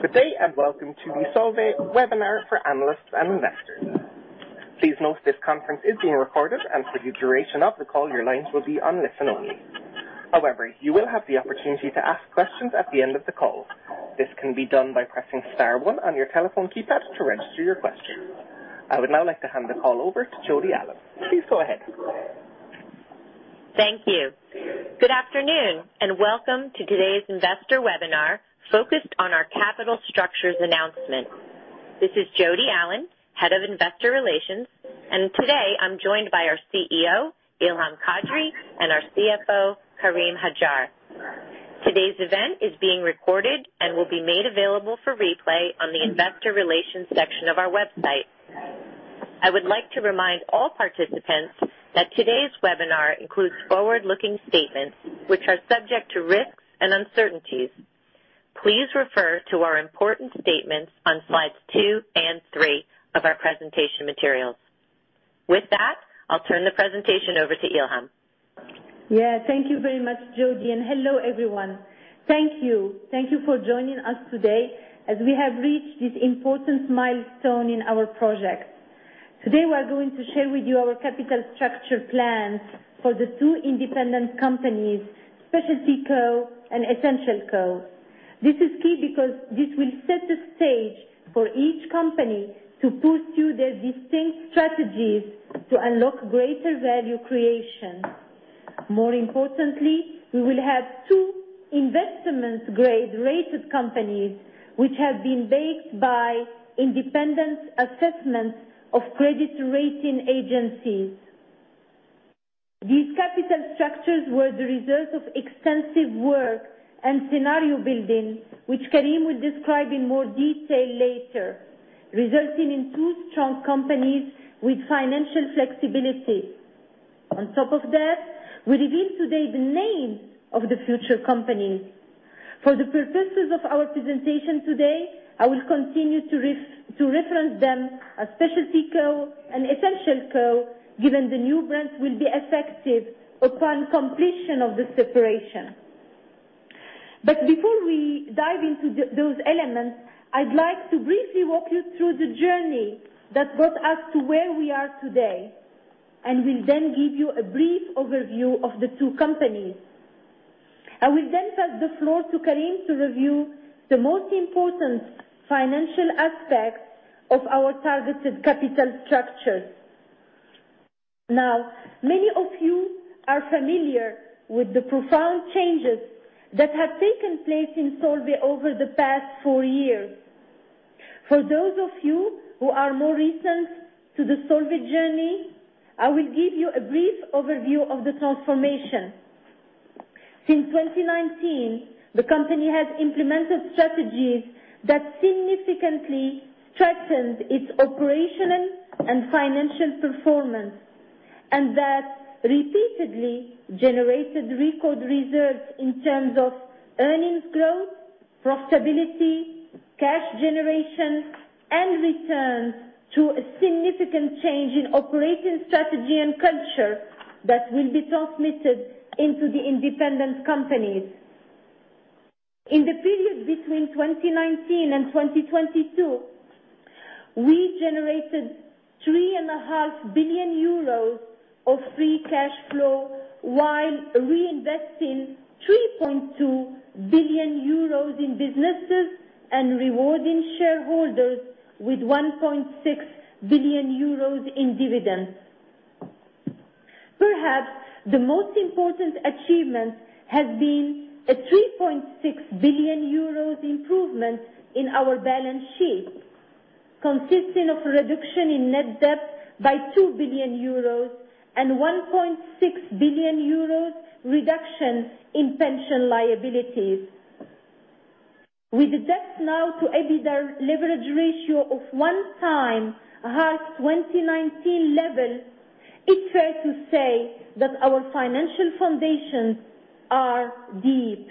Good day, welcome to the Solvay webinar for analysts and investors. Please note this conference is being recorded, and for the duration of the call, your lines will be on listen only. However, you will have the opportunity to ask questions at the end of the call. This can be done by pressing star one on your telephone keypad to register your question. I would now like to hand the call over to Jodi Allen. Please go ahead. Thank you. Good afternoon, welcome to today's investor webinar, focused on our capital structures announcement. This is Jodi Allen, Head of Investor Relations, today I'm joined by our CEO, Ilham Kadri, and our CFO, Karim Hajjar. Today's event is being recorded and will be made available for replay on the investor relations section of our website. I would like to remind all participants that today's webinar includes forward-looking statements, which are subject to risks and uncertainties. Please refer to our important statements on slides two and three of our presentation materials. With that, I'll turn the presentation over to Ilham. Thank you very much, Jodi. Hello, everyone. Thank you for joining us today as we have reached this important milestone in our project. Today, we are going to share with you our capital structure plans for the two independent companies, Specialty Co and Essential Co. This is key because this will set the stage for each company to pursue their distinct strategies to unlock greater value creation. More importantly, we will have two investment grade rated companies, which have been backed by independent assessments of credit rating agencies. These capital structures were the result of extensive work and scenario building, which Karim will describe in more detail later, resulting in two strong companies with financial flexibility. On top of that, we reveal today the name of the future company. For the purposes of our presentation today, I will continue to reference them as Specialty Co and Essential Co, given the new brand will be effective upon completion of the separation. Before we dive into those elements, I'd like to briefly walk you through the journey that got us to where we are today, and will then give you a brief overview of the two companies. I will then pass the floor to Karim to review the most important financial aspects of our targeted capital structure. Many of you are familiar with the profound changes that have taken place in Solvay over the past four years. For those of you who are more recent to the Solvay journey, I will give you a brief overview of the transformation. Since 2019, the company has implemented strategies that significantly strengthened its operational and financial performance, and that repeatedly generated record results in terms of earnings growth, profitability, cash generation, and returns to a significant change in operating strategy and culture that will be transmitted into the independent companies. In the period between 2019 and 2022, we generated 3.5 billion euros of free cash flow while reinvesting 3.2 billion euros in businesses and rewarding shareholders with 1.6 billion euros in dividends. Perhaps the most important achievement has been a 3.6 billion euros improvement in our balance sheet, consisting of a reduction in net debt by 2 billion euros and 1.6 billion euros reduction in pension liabilities. With the debt now to EBITDA leverage ratio of 1.5x 2019 level, it's fair to say that our financial foundations are deep.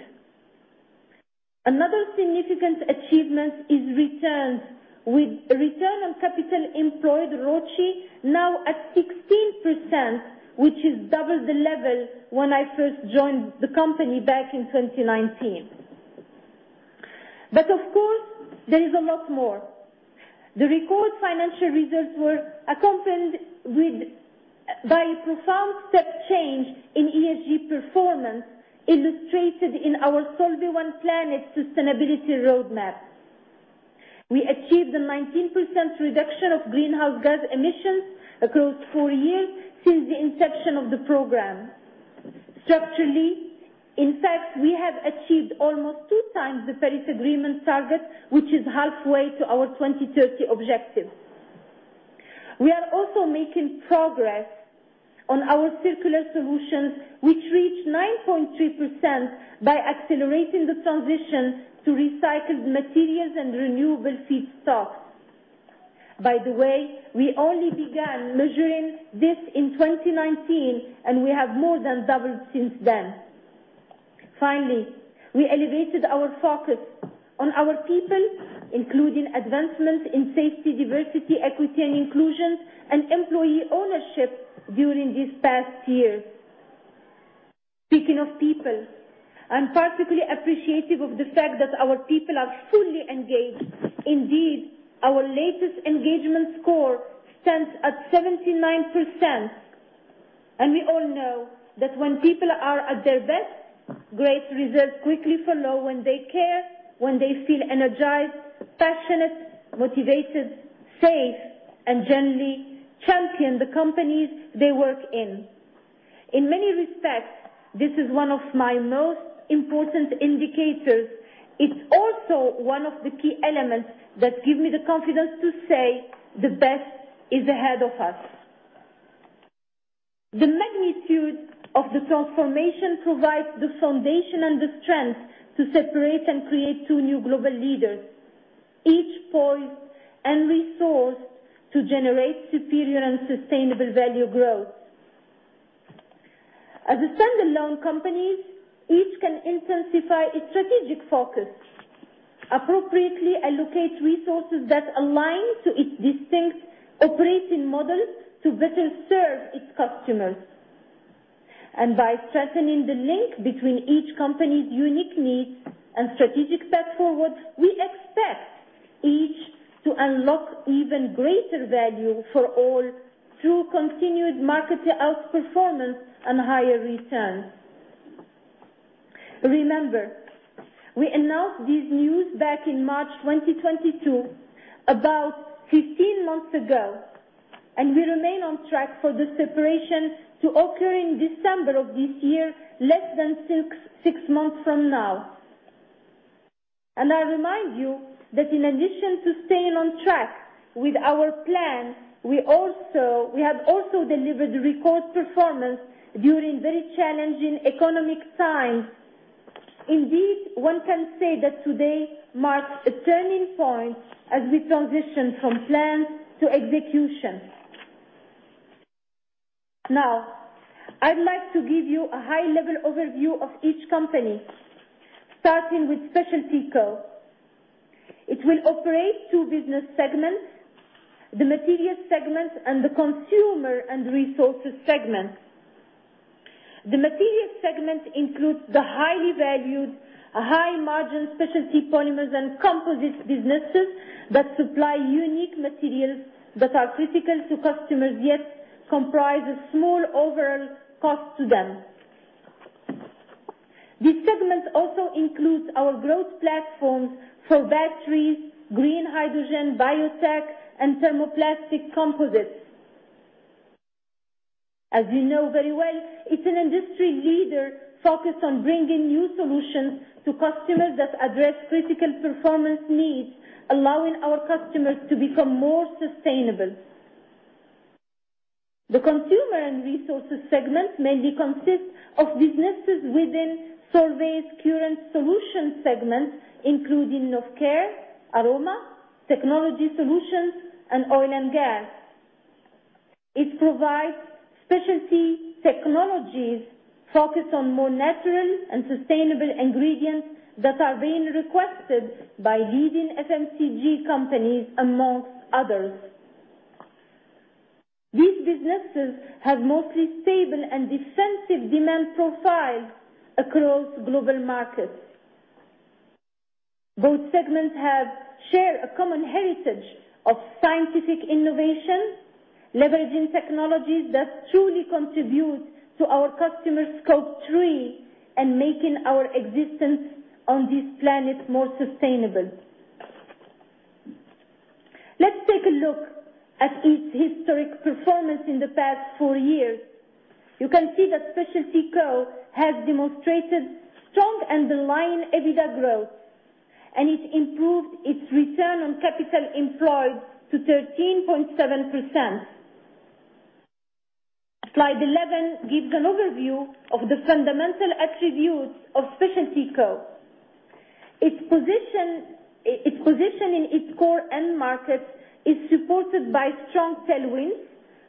Another significant achievement is returns, with return on capital employed, ROCE, now at 16%, which is double the level when I first joined the company back in 2019. Of course, there is a lot more. The record financial results were accompanied by a profound step change in ESG performance, illustrated in our Solvay One Planet sustainability roadmap. We achieved a 19% reduction of greenhouse gas emissions across four years since the inception of the program. Structurally, in fact, we have achieved almost 2x the Paris Agreement target, which is halfway to our 2030 objective. We are also making progress on our circular solutions, which reached 9.3% by accelerating the transition to recycled materials and renewable feedstocks. By the way, we only began measuring this in 2019, and we have more than doubled since then. We elevated our focus on our people, including advancements in safety, diversity, equity, and inclusion, and employee ownership during these past years. Speaking of people, I'm particularly appreciative of the fact that our people are fully engaged. Our latest engagement score stands at 79%, and we all know that when people are at their best, great results quickly follow, when they care, when they feel energized, passionate, motivated, safe, and generally champion the companies they work in. In many respects, this is one of my most important indicators. It's also one of the key elements that give me the confidence to say the best is ahead of us. The magnitude of the transformation provides the foundation and the strength to separate and create two new global leaders, each poised and resourced to generate superior and sustainable value growth. As a standalone company, each can intensify its strategic focus, appropriately allocate resources that align to its distinct operating model to better serve its customers. By strengthening the link between each company's unique needs and strategic step forward, we expect each to unlock even greater value for all, through continued market outperformance and higher returns. Remember, we announced this news back in March 2022, about 15 months ago, and we remain on track for the separation to occur in December of this year, less than six months from now. I remind you that in addition to staying on track with our plan, we have also delivered record performance during very challenging economic times. Indeed, one can say that today marks a turning point as we transition from plan to execution. I'd like to give you a high-level overview of each company, starting with Specialty Co. It will operate two business segments: the materials segment and the consumer and resources segment. The materials segment includes the highly valued, high-margin Specialty Polymers and Composites businesses that supply unique materials that are critical to customers, yet comprise a small overall cost to them. This segment also includes our growth platforms for batteries, green hydrogen, biotech, and thermoplastic composites. As you know very well, it's an industry leader focused on bringing new solutions to customers that address critical performance needs, allowing our customers to become more sustainable. The consumer and resources segment mainly consists of businesses within Solvay's current solution segment, including personal care, aroma, Technology Solutions, and Oil & Gas. It provides specialty technologies focused on more natural and sustainable ingredients that are being requested by leading FMCG companies, amongst others. These businesses have mostly stable and defensive demand profiles across global markets. Both segments have shared a common heritage of scientific innovation, leveraging technologies that truly contribute to our customer's Scope 3, and making our existence on this planet more sustainable. Let's take a look at its historic performance in the past four years. You can see that Specialty Co has demonstrated strong underlying EBITDA growth, and it improved its return on capital employed to 13.7%. Slide 11 gives an overview of the fundamental attributes of Specialty Co. Its position in its core end markets is supported by strong tailwinds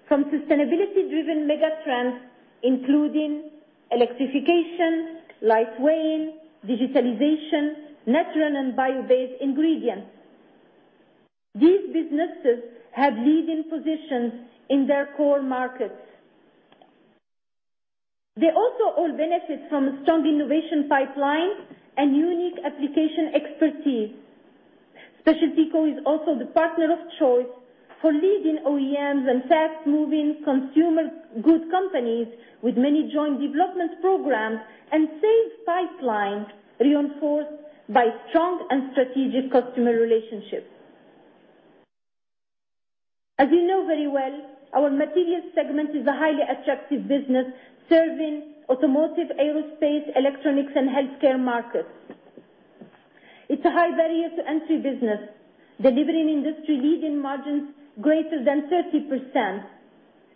from sustainability-driven megatrends, including electrification, lightweighting, digitalization, natural and bio-based ingredients. These businesses have leading positions in their core markets. They also all benefit from a strong innovation pipeline and unique application expertise. Specialty Co is also the partner of choice for leading OEMs and fast-moving consumer goods companies with many joint development programs and safe pipelines, reinforced by strong and strategic customer relationships. As you know very well, our materials segment is a highly attractive business, serving automotive, aerospace, electronics, and healthcare markets. It's a high barrier to entry business, delivering industry-leading margins greater than 30%,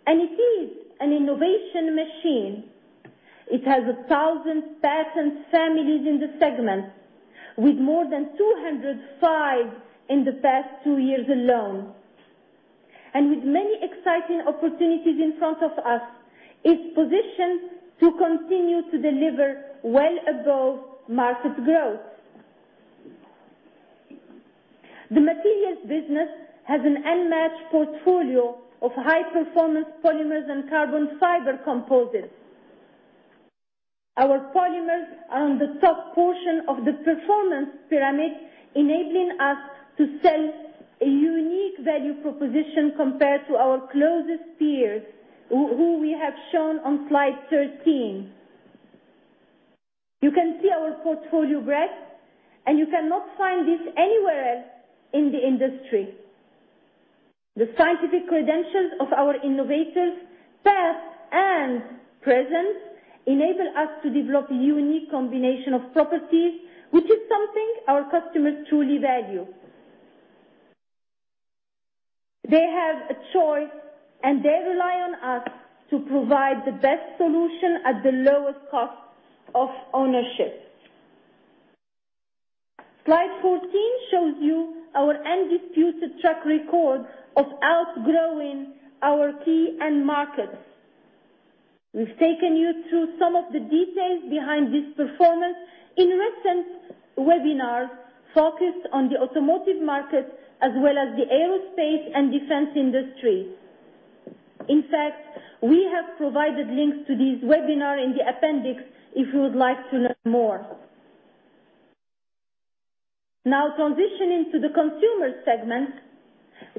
and it is an innovation machine. It has 1,000 patent families in the segment, with more than 205 in the past two years alone. With many exciting opportunities in front of us, it's positioned to continue to deliver well above market growth. The materials business has an unmatched portfolio of high-performance polymers and carbon fiber composites. Our polymers are on the top portion of the performance pyramid, enabling us to sell a unique value proposition compared to our closest peers, who we have shown on slide 13. You can see our portfolio breadth. You cannot find this anywhere else in the industry. The scientific credentials of our innovators, past and present, enable us to develop a unique combination of properties, which is something our customers truly value. They have a choice. They rely on us to provide the best solution at the lowest cost of ownership. Slide 14 shows you our undisputed track record of outgrowing our key end markets. We've taken you through some of the details behind this performance in recent webinars focused on the automotive market, as well as the aerospace and defense industry. In fact, we have provided links to this webinar in the appendix if you would like to know more. Transitioning to the consumer segment,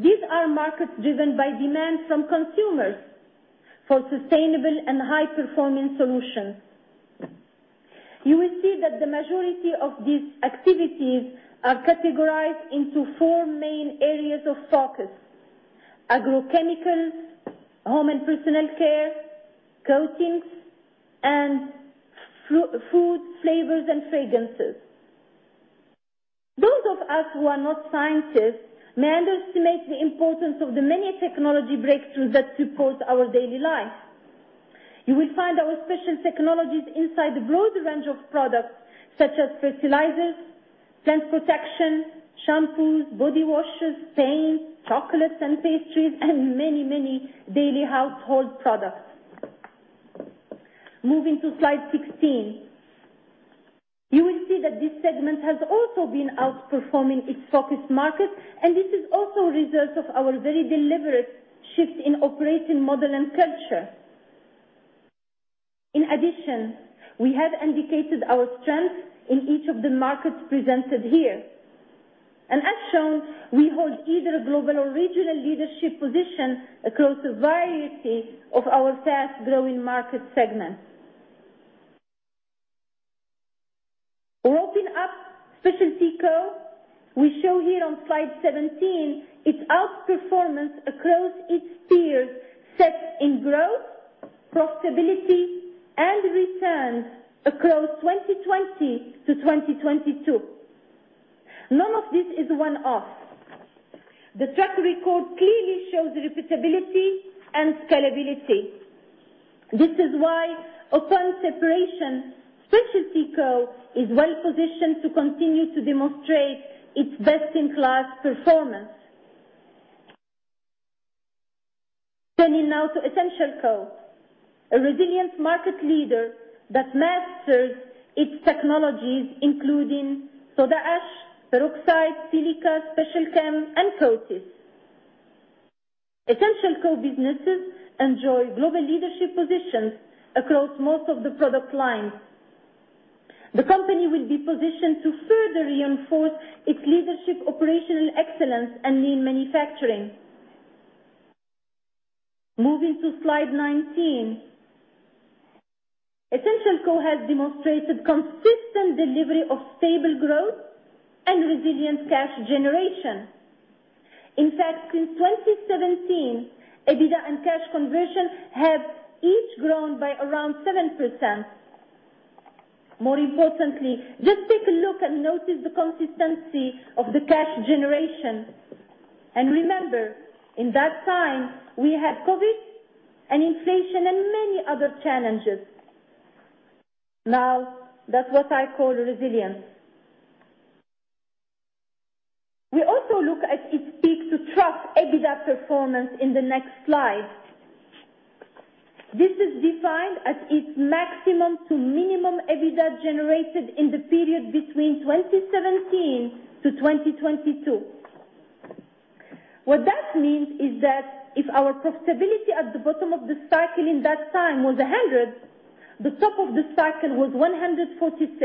these are markets driven by demand from consumers for sustainable and high-performing solutions. You will see that the majority of these activities are categorized into four main areas of focus: agrochemicals, home and personal care, coatings, and food, flavors, and fragrances. Those of us who are not scientists may underestimate the importance of the many technology breakthroughs that support our daily life. You will find our special technologies inside a broad range of products such as fertilizers, plant protection, shampoos, body washes, paints, chocolates and pastries, and many daily household products. Moving to slide 16, you will see that this segment has also been outperforming its focus market, and this is also a result of our very deliberate shift in operating model and culture. In addition, we have indicated our strength in each of the markets presented here. As shown, we hold either a global or regional leadership position across a variety of our fast-growing market segments. Wrapping up Specialty Co, we show here on slide 17 its outperformance across its peers, set in growth, profitability, and returns across 2020 to 2022. None of this is one-off. The track record clearly shows repeatability and scalability. This is why upon separation, Specialty Co is well positioned to continue to demonstrate its best-in-class performance. Turning now to Essential Co, a resilient market leader that masters its technologies, including soda ash, peroxide, silica, Special Chem, and coatings. Essential Co businesses enjoy global leadership positions across most of the product lines. The company will be positioned to further reinforce its leadership, operational excellence, and lean manufacturing. Moving to slide 19. Essential Co has demonstrated consistent delivery of stable growth and resilient cash generation. In fact, since 2017, EBITDA and cash conversion have each grown by around 7%. More importantly, just take a look and notice the consistency of the cash generation. Remember, in that time, we had COVID and inflation and many other challenges. That's what I call resilience. We also look at its peak-to-trough EBITDA performance in the next slide. This is defined as its maximum to minimum EBITDA generated in the period between 2017 to 2022. What that means is that if our profitability at the bottom of the cycle in that time was 100, the top of the cycle was 146.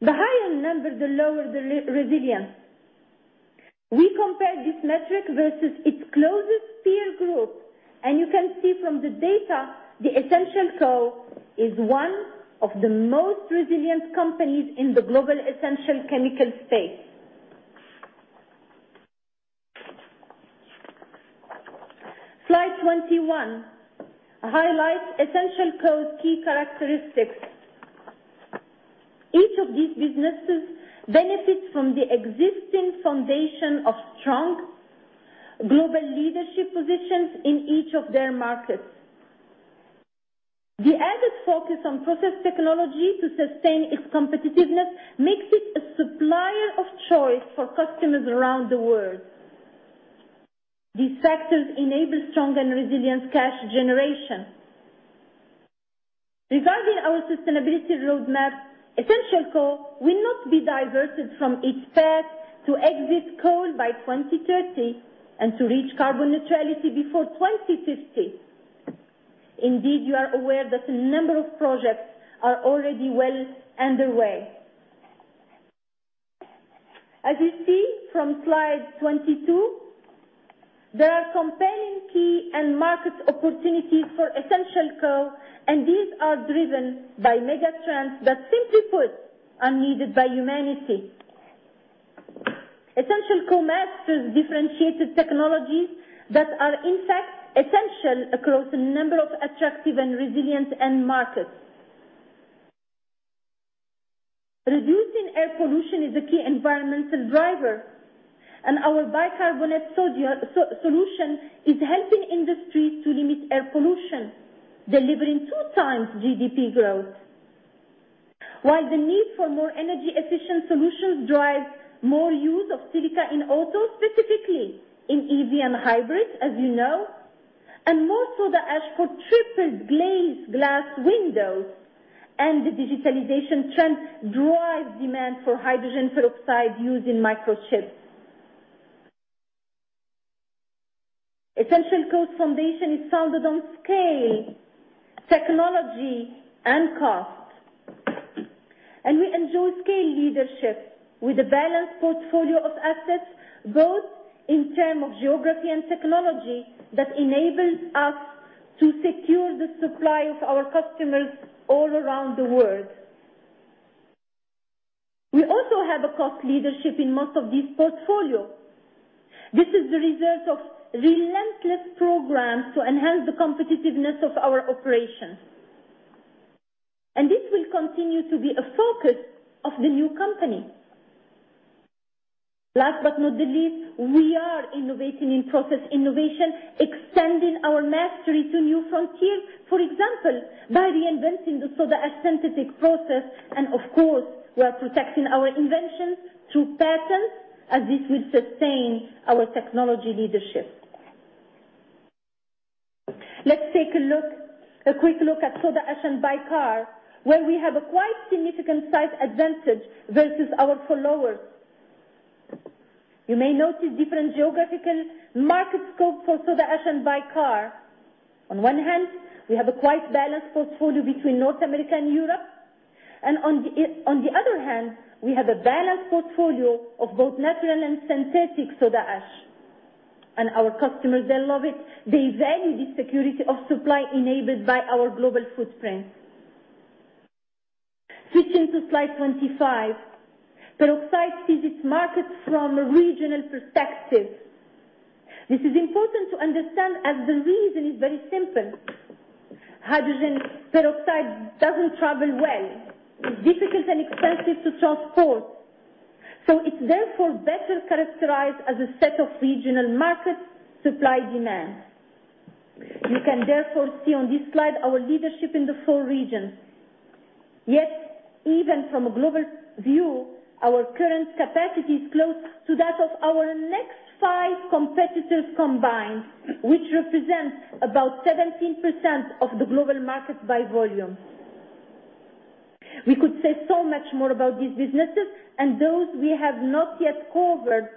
The higher the number, the lower the resilience. We compare this metric versus its closest peer group, and you can see from the data, the Essential Co is one of the most resilient companies in the global essential chemical space. Slide 21 highlights Essential Co's key characteristics. Each of these businesses benefits from the existing foundation of strong global leadership positions in each of their markets. The added focus on process technology to sustain its competitiveness makes it a supplier of choice for customers around the world. These factors enable strong and resilient cash generation. Regarding our sustainability roadmap, Essential Co will not be diverted from its path to exit coal by 2030 and to reach carbon neutrality before 2050. You are aware that a number of projects are already well underway. As you see from slide 22, there are compelling key end markets opportunities for Essential Co. These are driven by mega trends that simply put, are needed by humanity. Essential Co masters differentiated technologies that are in fact essential across a number of attractive and resilient end markets. Reducing air pollution is a key environmental driver. Our bicarbonate sodium solution is helping industries to limit air pollution, delivering 2x GDP growth. While the need for more energy efficient solutions drives more use of silica in autos, specifically in EV and hybrids, as you know, and more so the ash for triple glaze glass windows and the digitalization trend drives demand for hydrogen peroxide used in microchips. Essential Co's foundation is founded on scale, technology, and cost. We enjoy scale leadership with a balanced portfolio of assets, both in term of geography and technology, that enables us to secure the supply of our customers all around the world. We also have a cost leadership in most of these portfolio. This is the result of relentless programs to enhance the competitiveness of our operations, and this will continue to be a focus of the new company. Last but not the least, we are innovating in process innovation, extending our mastery to new frontier, for example, by reinventing the soda ash synthetic process. Of course, we are protecting our inventions through patents. This will sustain our technology leadership. Let's take a quick look at soda ash and bicarb, where we have a quite significant size advantage versus our followers. You may notice different geographical market scope for soda ash and bicarb. On one hand, we have a quite balanced portfolio between North America and Europe. On the other hand, we have a balanced portfolio of both natural and synthetic soda ash. Our customers, they love it. They value the security of supply enabled by our global footprint. Switching to slide 25. Peroxide sees its market from a regional perspective. This is important to understand, as the reason is very simple. Hydrogen peroxide doesn't travel well. It's difficult and expensive to transport, so it's therefore better characterized as a set of regional market supply, demand. You can therefore see on this slide our leadership in the four regions. Even from a global view, our current capacity is close to that of our next five competitors combined, which represents about 17% of the global market by volume. We could say so much more about these businesses and those we have not yet covered,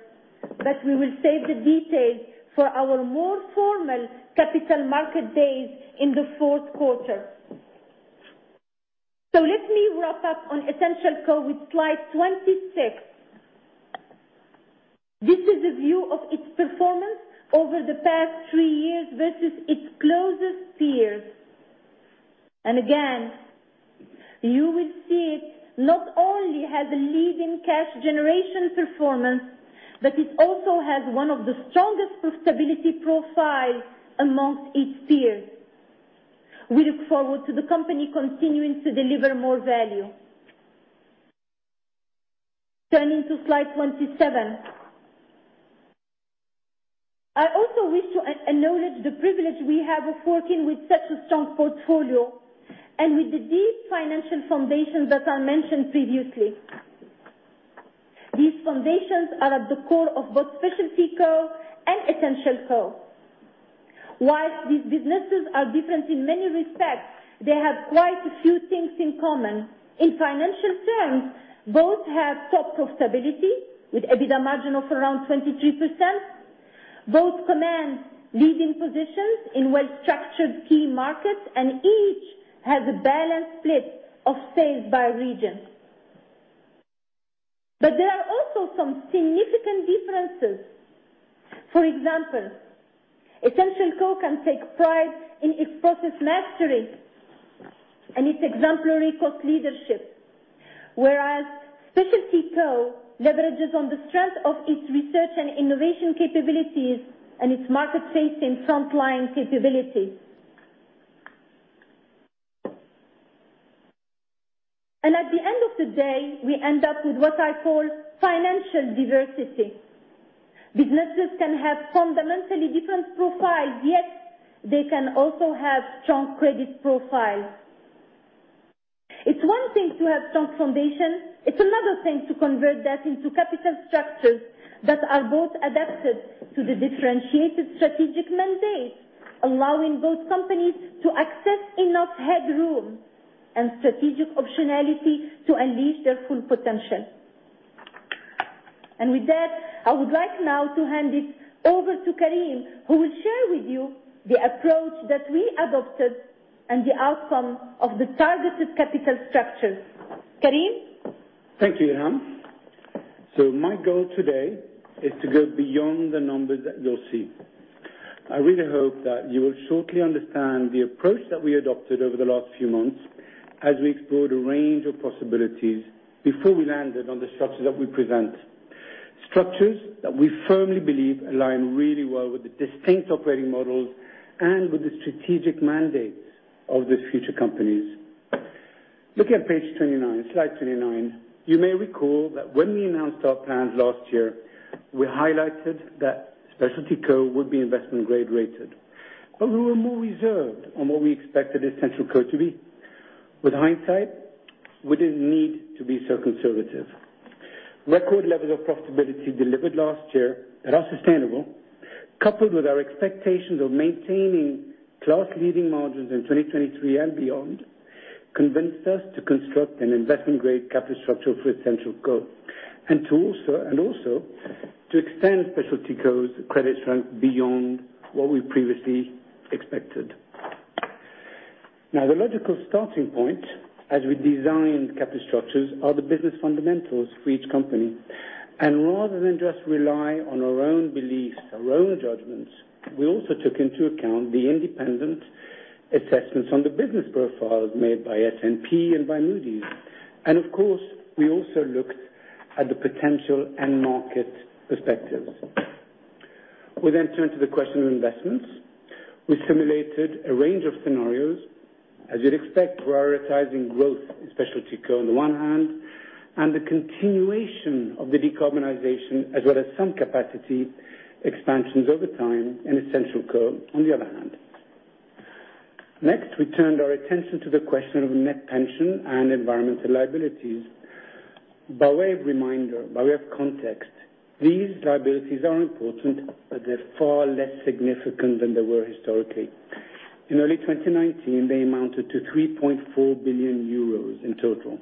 but we will save the details for our more formal Capital Market Days in the fourth quarter. Let me wrap up on Essential Co with slide 26. This is a view of its performance over the past three years versus its closest peers. You will see it not only has a leading cash generation performance, but it also has one of the strongest profitability profiles among its peers. We look forward to the company continuing to deliver more value. Turning to slide 27. I also wish to acknowledge the privilege we have of working with such a strong portfolio and with the deep financial foundations that I mentioned previously. These foundations are at the core of both Specialty Co and Essential Co. While these businesses are different in many respects, they have quite a few things in common. In financial terms, both have top profitability, with EBITDA margin of around 23%. Both command leading positions in well-structured key markets, and each has a balanced split of sales by region. There are also some significant differences. For example, Essential Co can take pride in its process mastery and its exemplary cost leadership, whereas Specialty Co leverages on the strength of its research and innovation capabilities and its market-facing frontline capabilities. At the end of the day, we end up with what I call financial diversity. Businesses can have fundamentally different profiles, yet they can also have strong credit profiles. It's one thing to have strong foundation, it's another thing to convert that into capital structures that are both adapted to the differentiated strategic mandate, allowing both companies to access enough headroom and strategic optionality to unleash their full potential. With that, I would like now to hand it over to Karim, who will share with you the approach that we adopted and the outcome of the targeted capital structure. Karim? Thank you, Ilham. My goal today is to go beyond the numbers that you'll see. I really hope that you will shortly understand the approach that we adopted over the last few months as we explored a range of possibilities before we landed on the structure that we present. Structures that we firmly believe align really well with the distinct operating models and with the strategic mandates of these future companies. Looking at page 29, slide 29, you may recall that when we announced our plans last year, we highlighted that Specialty Co would be investment grade rated, but we were more reserved on what we expected Essential Co to be. With hindsight, we didn't need to be so conservative. Record levels of profitability delivered last year that are sustainable, coupled with our expectations of maintaining class leading margins in 2023 and beyond, convinced us to construct an investment-grade capital structure for Essential Co. and also, to extend Specialty Co's credit strength beyond what we previously expected. Now, the logical starting point as we design capital structures are the business fundamentals for each company. Rather than just rely on our own beliefs, our own judgments, we also took into account the independent assessments on the business profiles made by S&P and by Moody's. Of course, we also looked at the potential end market perspectives. We then turned to the question of investments. We simulated a range of scenarios, as you'd expect, prioritizing growth in Specialty Co on the one hand, and the continuation of the decarbonization as well as some capacity expansions over time in Essential Co, on the other hand. We turned our attention to the question of net pension and environmental liabilities. By way of reminder, by way of context, these liabilities are important, but they're far less significant than they were historically. In early 2019, they amounted to 3.4 billion euros in total,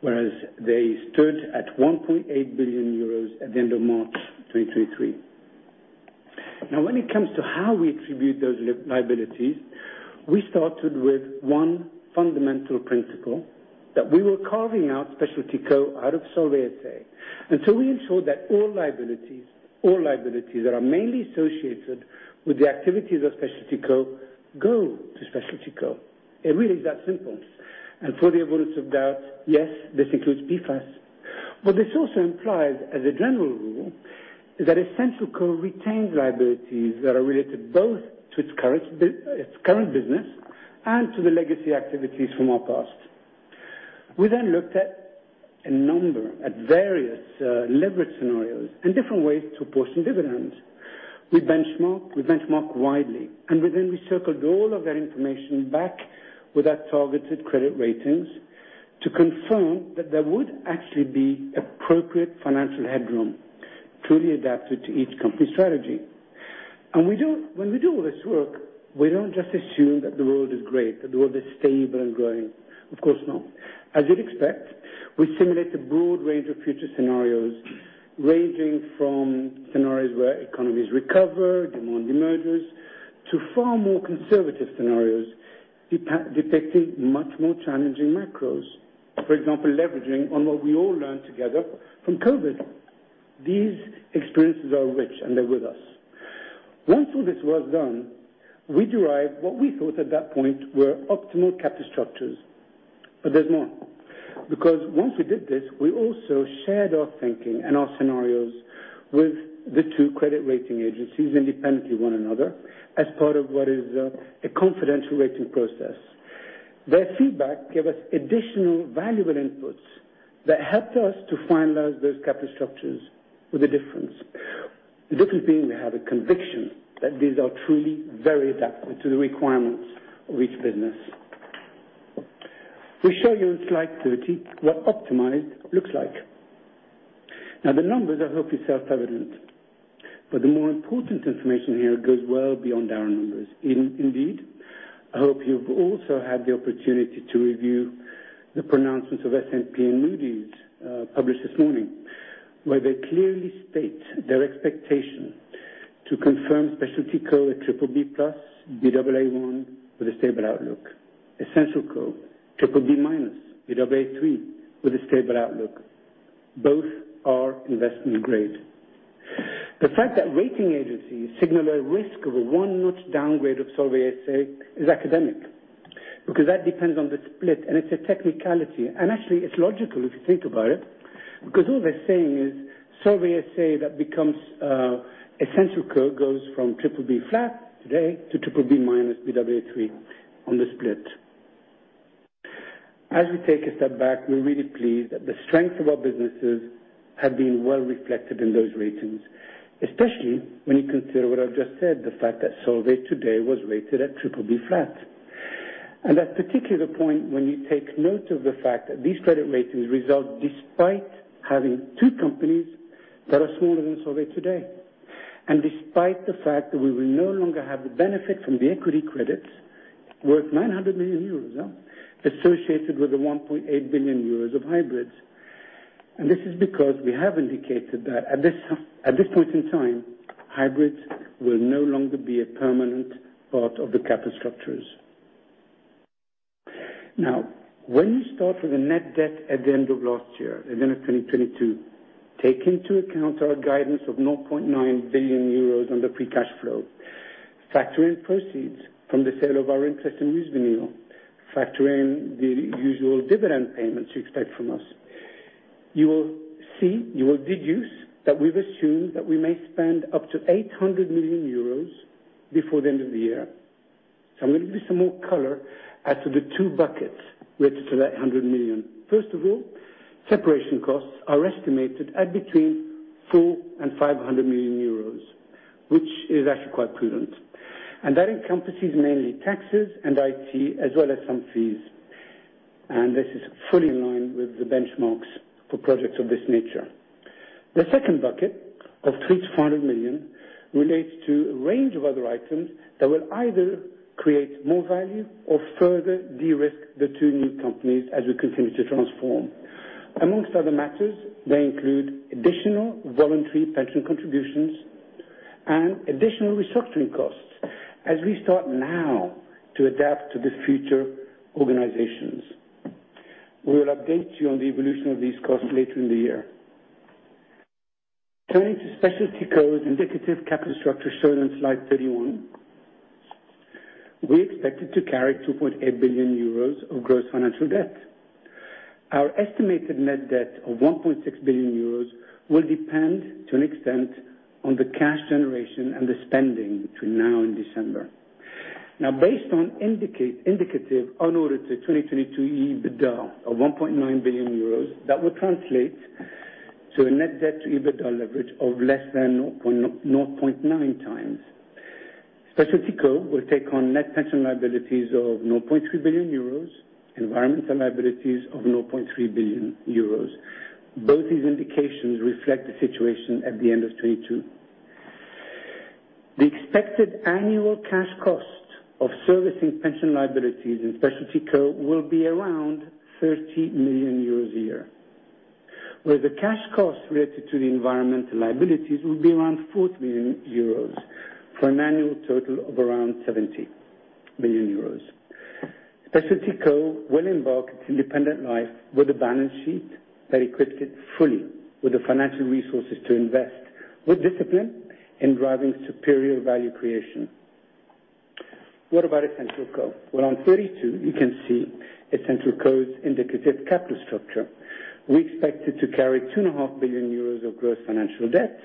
whereas they stood at 1.8 billion euros at the end of March 2023. When it comes to how we attribute those liabilities, we started with one fundamental principle, that we were carving out Specialty Co out of Solvay SA. We ensured that all liabilities that are mainly associated with the activities of Specialty Co, go to Specialty Co. It really is that simple. For the avoidance of doubt, yes, this includes PFAS. What this also implies, as a general rule, is that Essential Co retains liabilities that are related both to its current business and to the legacy activities from our past. We looked at a number, at various leverage scenarios and different ways to portion dividends. We benchmark widely, we circled all of that information back with our targeted credit ratings to confirm that there would actually be appropriate financial headroom truly adapted to each company's strategy. When we do all this work, we don't just assume that the world is great, that the world is stable and growing. Of course not. As you'd expect, we simulate a broad range of future scenarios, ranging from scenarios where economies recover, demand emerges, to far more conservative scenarios, depicting much more challenging macros. For example, leveraging on what we all learned together from COVID. These experiences are rich, they're with us. Once all this was done, we derived what we thought at that point were optimal capital structures. There's more, because once we did this, we also shared our thinking and our scenarios with the two credit rating agencies, independently of one another, as part of what is a confidential rating process. Their feedback gave us additional valuable inputs that helped us to finalize those capital structures with a difference. The difference being, we have a conviction that these are truly very adapted to the requirements of each business. We show you on slide 30 what optimized looks like. The numbers, I hope, are self-evident, but the more important information here goes well beyond our numbers. Indeed, I hope you've also had the opportunity to review the pronouncements of S&P and Moody's published this morning, where they clearly state their expectation to confirm Specialty Co at BBB+, Baa1 with a stable outlook. Essential Co, BBB-, Baa3 with a stable outlook. Both are investment grade. The fact that rating agencies signal a risk of a one-notch downgrade of Solvay SA is academic, because that depends on the split, and it's a technicality. Actually, it's logical if you think about it, because all they're saying is Solvay SA, that becomes Essential Co, goes from BBB flat today to BBB- Baa3 on the split. As we take a step back, we're really pleased that the strength of our businesses have been well reflected in those ratings, especially when you consider what I've just said, the fact that Solvay today was rated at BBB. That's particularly the point when you take note of the fact that these credit ratings result despite having two companies that are smaller than Solvay today, and despite the fact that we will no longer have the benefit from the equity credits worth 900 million euros, associated with the 1.8 billion euros of hybrids. This is because we have indicated that at this point in time, hybrids will no longer be a permanent part of the capital structures. When you start with a net debt at the end of last year, at the end of 2022, take into account our guidance of 0.9 billion euros on the free cash flow. Factor in proceeds from the sale of our interest in RusVinyl, factor in the usual dividend payments you expect from us. You will see, you will deduce, that we've assumed that we may spend up to 800 million euros before the end of the year. I'm going to give you some more color as to the two buckets related to that 100 million. First of all, separation costs are estimated at between 400 million-500 million euros, which is actually quite prudent. That encompasses mainly taxes and IT, as well as some fees. This is fully in line with the benchmarks for projects of this nature. The second bucket of 300 million-500 million relates to a range of other items that will either create more value or further de-risk the two new companies as we continue to transform. Among other matters, they include additional voluntary pension contributions and additional restructuring costs as we start now to adapt to the future organizations. We will update you on the evolution of these costs later in the year. Turning to Specialty Co's indicative capital structure shown on slide 31, we expected to carry 2.8 billion euros of gross financial debt. Our estimated net debt of 1.6 billion euros will depend to an extent on the cash generation and the spending between now and December. Based on indicative unaudited 2022 EBITDA of 1.9 billion euros, that will translate to a net debt to EBITDA leverage of less than 0.9x. Specialty Co will take on net pension liabilities of 0.3 billion euros, environmental liabilities of 0.3 billion euros. Both these indications reflect the situation at the end of 2022. The expected annual cash cost of servicing pension liabilities in Specialty Co will be around 30 million euros a year, where the cash costs related to the environmental liabilities will be around 40 million euros, for an annual total of around 70 million euros. Specialty Co will embark its independent life with a balance sheet that equips it fully with the financial resources to invest, with discipline in driving superior value creation. What about Essential Co? Well, on 32, you can see Essential Co's indicative capital structure. We expect it to carry 2.5 billion euros of gross financial debt.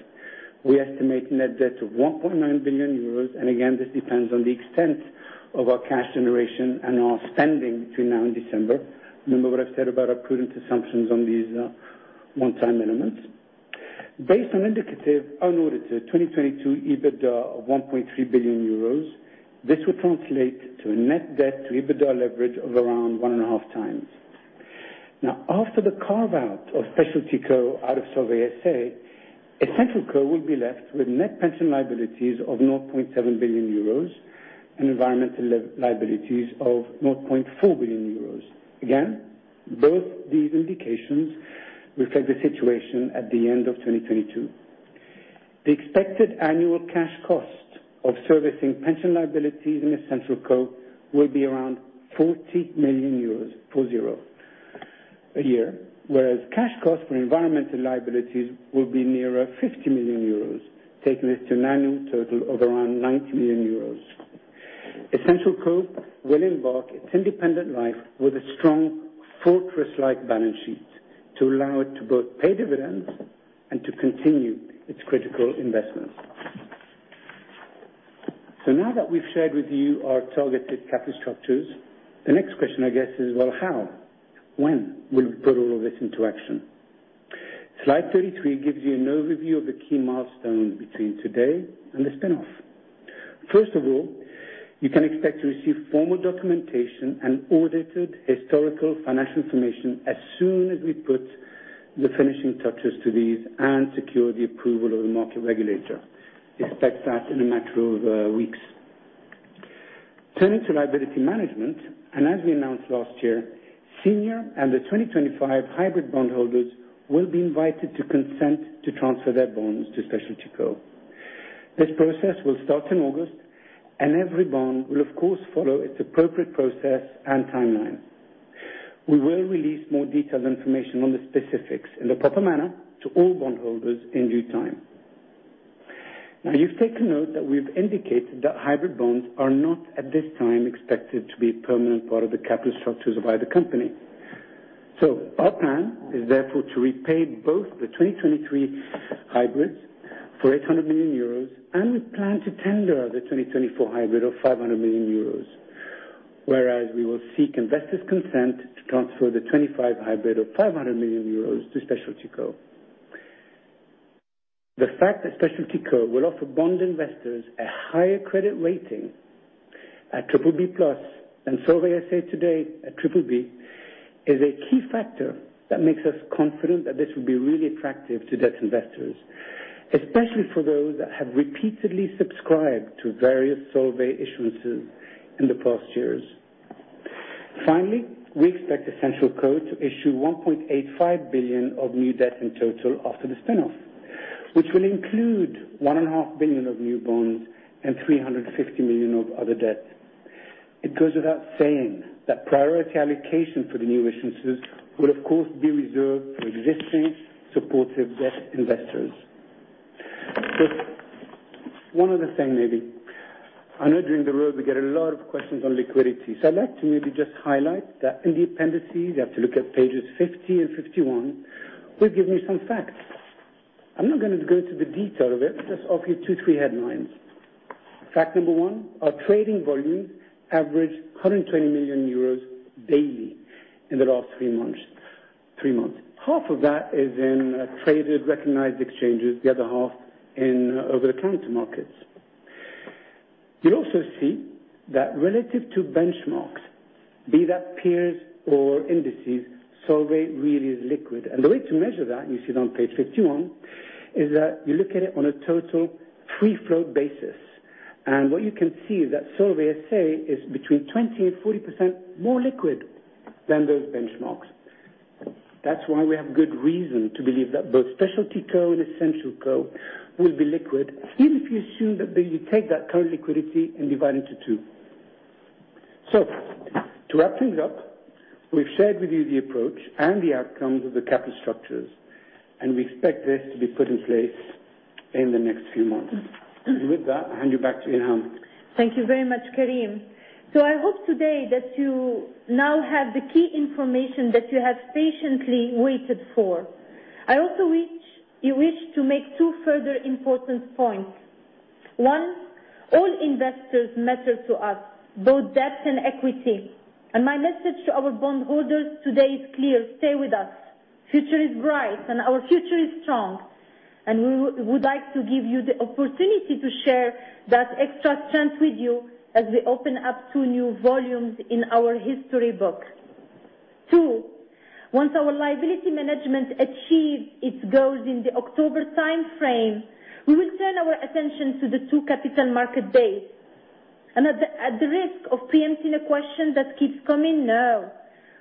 We estimate net debt of 1.9 billion euros. Again, this depends on the extent of our cash generation and our spending between now and December. Remember what I've said about our prudent assumptions on these one-time elements. Based on indicative unaudited 2022 EBITDA of 1.3 billion euros, this would translate to a net debt to EBITDA leverage of around 1.5x. After the carve-out of Specialty Co out of Solvay SA, Essential Co will be left with net pension liabilities of 0.7 billion euros and environmental liabilities of 0.4 billion euros. Again, both these indications reflect the situation at the end of 2022. The expected annual cash cost of servicing pension liabilities in Essential Co will be around 40 million euros a year. Whereas cash costs for environmental liabilities will be nearer 50 million euros, taking this to an annual total of around 90 million euros. Essential Co will embark its independent life with a strong fortress-like balance sheet to allow it to both pay dividends and to continue its critical investments. Now that we've shared with you our targeted capital structures, the next question, I guess, is: Well, how, when will we put all of this into action? Slide 33 gives you an overview of the key milestones between today and the spin-off. First of all, you can expect to receive formal documentation and audited historical financial information as soon as we put the finishing touches to these and secure the approval of the market regulator. Expect that in a matter of weeks. Turning to liability management, as we announced last year, senior and the 2025 hybrid bondholders will be invited to consent to transfer their bonds to Specialty Co. This process will start in August. Every bond will, of course, follow its appropriate process and timeline. We will release more detailed information on the specifics in the proper manner to all bondholders in due time. You've taken note that we've indicated that hybrid bonds are not, at this time, expected to be a permanent part of the capital structures of either company. Our plan is therefore to repay both the 2023 hybrids for 800 million euros. We plan to tender the 2024 hybrid of 500 million euros. We will seek investors' consent to transfer the 25 hybrid of 500 million euros to Specialty Co. The fact that Specialty Co will offer bond investors a higher credit rating at BBB+ than Solvay SA today at BBB, is a key factor that makes us confident that this will be really attractive to debt investors. Especially for those that have repeatedly subscribed to various Solvay issuances in the past years. We expect Essential Co to issue 1.85 billion of new debt in total after the spin-off, which will include one and a half billion of new bonds and 350 million of other debt. It goes without saying that priority allocation for the new issuances will, of course, be reserved for existing supportive debt investors. Just one other thing, maybe. I know during the road we get a lot of questions on liquidity, so I'd like to maybe just highlight that in the appendices, you have to look at pages 50 and 51. We've given you some facts. I'm not going to go into the detail of it, just offer you two, three headlines. Fact number one, our trading volume averaged 120 million euros daily in the last three months. Half of that is in traded, recognized exchanges, the other half in over-the-counter markets. You'll also see that relative to benchmarks, be that peers or indices, Solvay really is liquid. The way to measure that, you see it on page 51, is that you look at it on a total free flow basis. What you can see is that Solvay SA is between 20% and 40% more liquid than those benchmarks. That's why we have good reason to believe that both Specialty Co and Essential Co will be liquid, even if you assume that they take that current liquidity and divide it into two. To wrap things up, we've shared with you the approach and the outcomes of the capital structures, and we expect this to be put in place in the next few months. With that, I hand you back to Ilham. Thank you very much, Karim. I hope today that you now have the key information that you have patiently waited for. I also wish to make two further important points. one, all investors matter to us, both debt and equity. My message to our bondholders today is clear: stay with us. Future is bright and our future is strong, and we would like to give you the opportunity to share that extra strength with you as we open up two new volumes in our history book. two, once our liability management achieves its goals in the October time frame, we will turn our attention to the two Capital Markets Days. At the risk of preempting a question that keeps coming, no,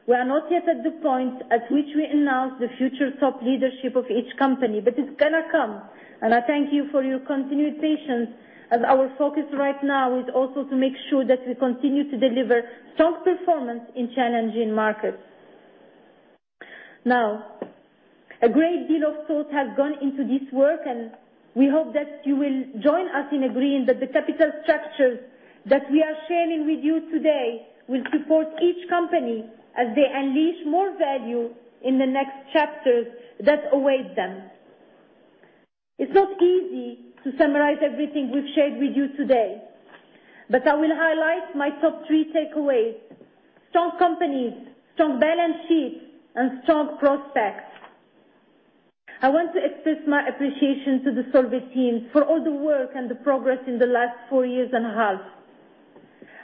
we are not yet at the point at which we announce the future top leadership of each company, but it's gonna come, and I thank you for your continued patience, as our focus right now is also to make sure that we continue to deliver strong performance in challenging markets. A great deal of thought has gone into this work, and we hope that you will join us in agreeing that the capital structures that we are sharing with you today will support each company as they unleash more value in the next chapters that await them. It's not easy to summarize everything we've shared with you today, but I will highlight my top three takeaways: strong companies, strong balance sheets, and strong prospects. I want to express my appreciation to the Solvay team for all the work and the progress in the last four years and a half.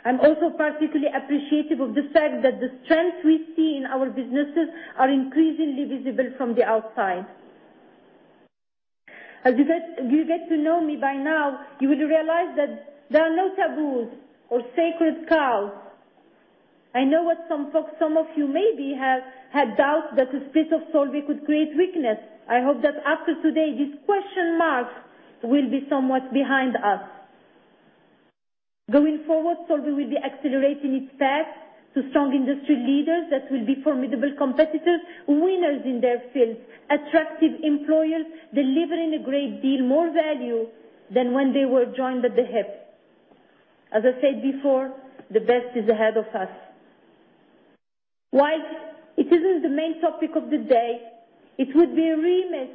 I'm also particularly appreciative of the fact that the strength we see in our businesses are increasingly visible from the outside. As you get to know me by now, you will realize that there are no taboos or sacred cows. I know what some of you maybe have had doubts that the spirit of Solvay could create weakness. I hope that after today, this question mark will be somewhat behind us. Going forward, Solvay will be accelerating its path to strong industry leaders that will be formidable competitors, winners in their fields, attractive employers, delivering a great deal more value than when they were joined at the hip. As I said before, the best is ahead of us. While it isn't the main topic of the day, it would be remiss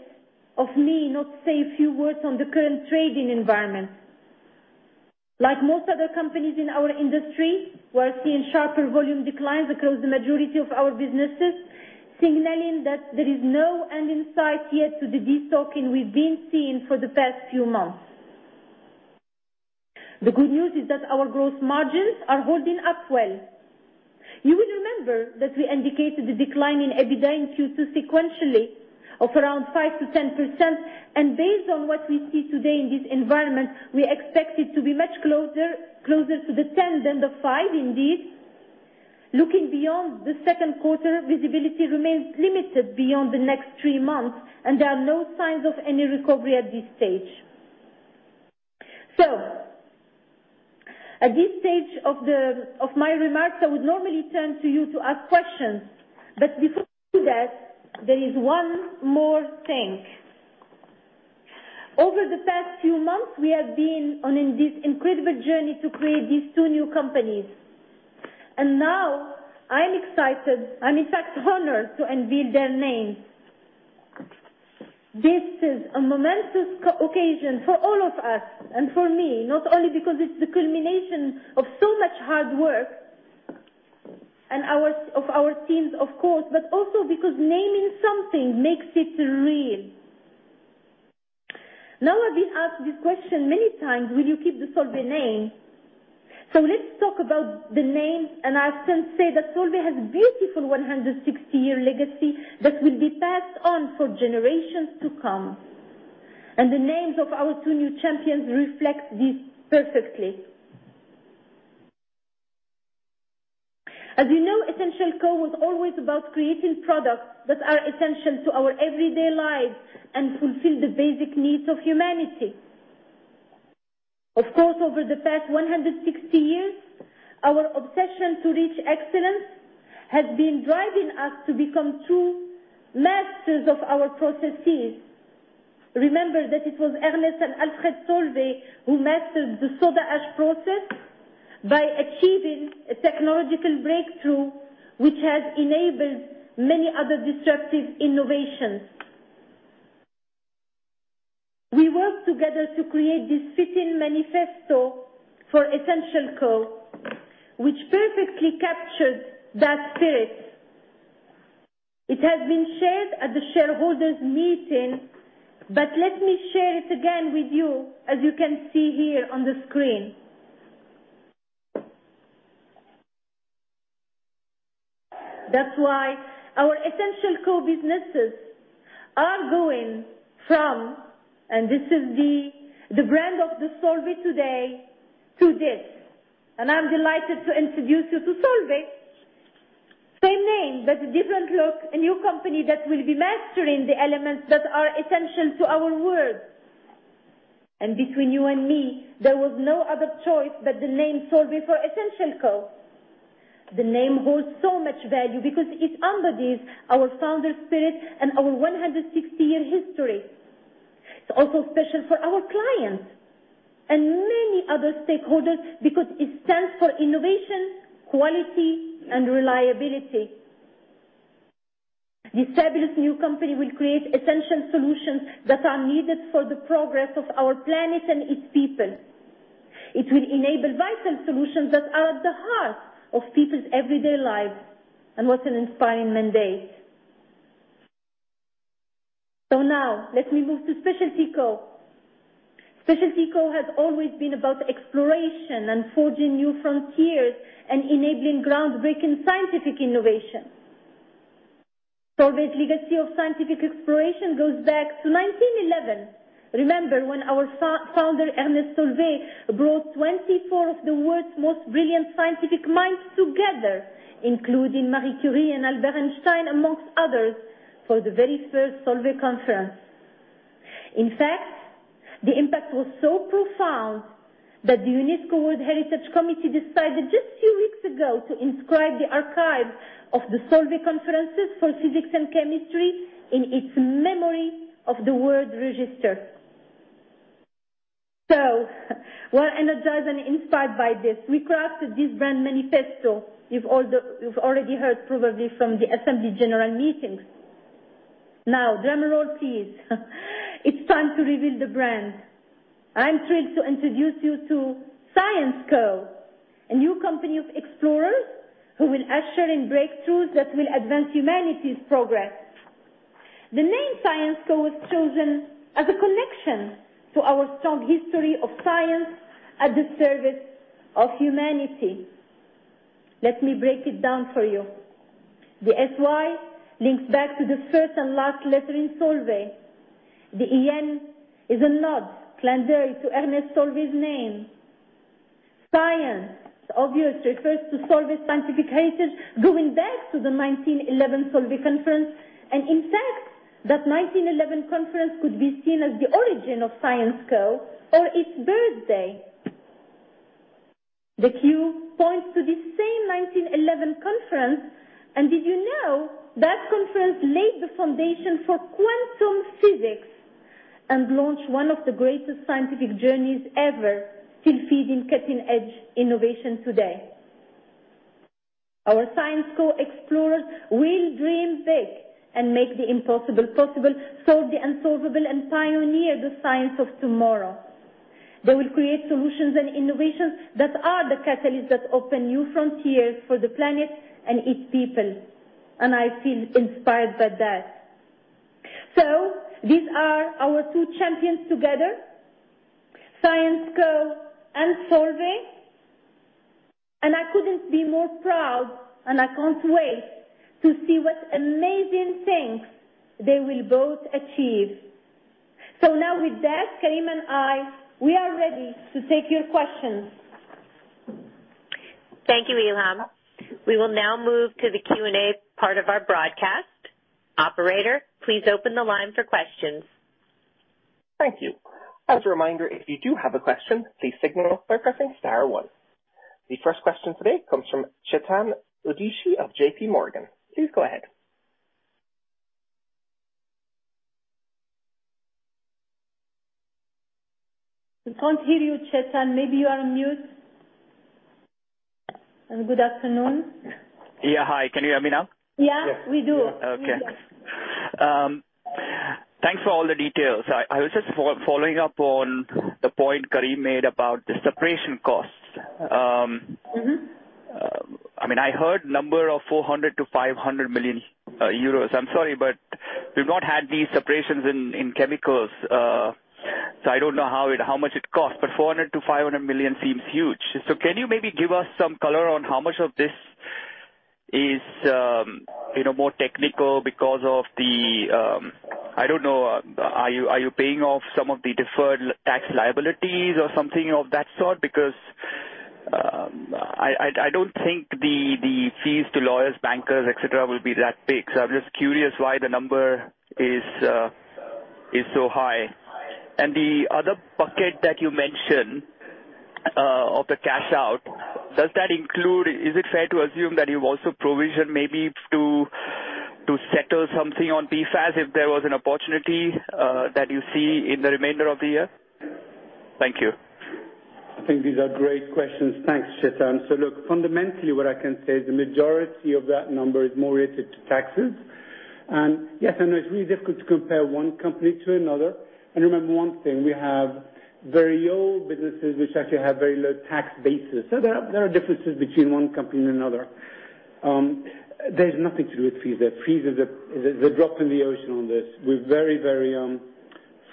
of me not to say a few words on the current trading environment. Like most other companies in our industry, we are seeing sharper volume declines across the majority of our businesses, signaling that there is no end in sight yet to the destocking we've been seeing for the past few months. The good news is that our growth margins are holding up well. You will remember that we indicated a decline in EBITDA in Q2 sequentially of around 5%-10%, and based on what we see today in this environment, we expect it to be much closer to the 10% than the 5% indeed. Looking beyond the second quarter, visibility remains limited beyond the next three months, and there are no signs of any recovery at this stage. At this stage of my remarks, I would normally turn to you to ask questions, but before I do that, there is one more thing. Over the past few months, we have been on in this incredible journey to create these two new companies. Now I'm excited. I'm in fact honored, to unveil their names. This is a momentous occasion for all of us and for me, not only because it's the culmination of so much hard work of our teams, of course, but also because naming something makes it real. I've been asked this question many times: Will you keep the Solvay name? Let's talk about the name. I often say that Solvay has a beautiful 160-year legacy that will be passed on for generations to come. The names of our two new champions reflect this perfectly. As you know, Essential Co. was always about creating products that are essential to our everyday lives and fulfill the basic needs of humanity. Of course, over the past 160 years, our obsession to reach excellence has been driving us to become true masters of our processes. Remember that it was Ernest and Alfred Solvay who mastered the soda ash process by achieving a technological breakthrough, which has enabled many other disruptive innovations. We worked together to create this fitting manifesto for Essential Co., which perfectly captures that spirit. It has been shared at the shareholders' meeting, but let me share it again with you, as you can see here on the screen. That's why our Essential Co. businesses are going from, and this is the brand of the Solvay today to this. I'm delighted to introduce you to Solvay. Same name, but a different look, a new company that will be mastering the elements that are essential to our world. Between you and me, there was no other choice but the name Solvay for Essential Co. The name holds so much value because it embodies our founder's spirit and our 160-year history. It's also special for our clients and many other stakeholders because it stands for innovation, quality, and reliability. This fabulous new company will create essential solutions that are needed for the progress of our planet and its people. It will enable vital solutions that are at the heart of people's everyday lives. What an inspiring mandate! Now let me move to Specialty Co. Specialty Co. has always been about exploration and forging new frontiers and enabling groundbreaking scientific innovation. Solvay's legacy of scientific exploration goes back to 1911. Remember when our founder, Ernest Solvay, brought 24 of the world's most brilliant scientific minds together, including Marie Curie and Albert Einstein, amongst others, for the very first Solvay Conference. In fact, the impact was so profound that the UNESCO World Heritage Committee decided just a few weeks ago to inscribe the archives of the Solvay Conferences for Physics and Chemistry in its Memory of the World Register. We're energized and inspired by this. We crafted this brand manifesto. You've already heard probably from the assembly general meetings. Now, drumroll, please. It's time to reveal the brand. I'm thrilled to introduce you to Syensqo, a new company of explorers who will usher in breakthroughs that will advance humanity's progress. The name Syensqo was chosen as a connection to our strong history of science at the service of humanity. Let me break it down for you. The S-Y links back to the first and last letter in Solvay. The E-N is a nod, play on words, to Ernest Solvay's name. Science, obviously, refers to Solvay's scientific heritage, going back to the 1911 Solvay conference, and in fact, that 1911 conference could be seen as the origin of Syensqo or its birthday. The Q points to the same 1911 conference, did you know that conference laid the foundation for quantum physics and launched one of the greatest scientific journeys ever, still feeding cutting-edge innovation today? Our Syensqo explorers will dream big and make the impossible possible, solve the unsolvable, and pioneer the science of tomorrow. They will create solutions and innovations that are the catalyst that open new frontiers for the planet and its people, I feel inspired by that. These are our two champions together, Syensqo and Solvay, and I couldn't be more proud, and I can't wait to see what amazing things they will both achieve. Now with that, Karim and I, we are ready to take your questions. Thank you, Ilham. We will now move to the Q&A part of our broadcast. Operator, please open the line for questions. Thank you. As a reminder, if you do have a question, please signal by pressing star one. The first question today comes from Chetan Udeshi of JPMorgan. Please go ahead. We can't hear you, Chetan. Maybe you are on mute. Good afternoon. Yeah, hi. Can you hear me now? Yeah, we do. Okay. Thanks for all the details. I was just following up on the point Karim made about the separation costs. Mm-hmm. I mean, I heard number of 400 million-500 million euros. I'm sorry, but we've not had these separations in chemicals, so I don't know how much it costs, but 400 million-500 million seems huge. Can you maybe give us some color on how much of this is, you know, more technical because of the, I don't know, are you paying off some of the deferred tax liabilities or something of that sort? Because, I don't think the fees to lawyers, bankers, et cetera, will be that big. I'm just curious why the number is so high. The other bucket that you mentioned of the cash out, does that include... Is it fair to assume that you've also provisioned maybe to settle something on PFAS, if there was an opportunity, that you see in the remainder of the year? Thank you. I think these are great questions. Thanks, Chetan. Look, fundamentally, what I can say is the majority of that number is more related to taxes. Yes, I know it's really difficult to compare one company to another. Remember one thing, we have very old businesses which actually have very low tax bases. There are differences between one company and another. There's nothing to do with fees. The fees are the drop in the ocean on this. We're very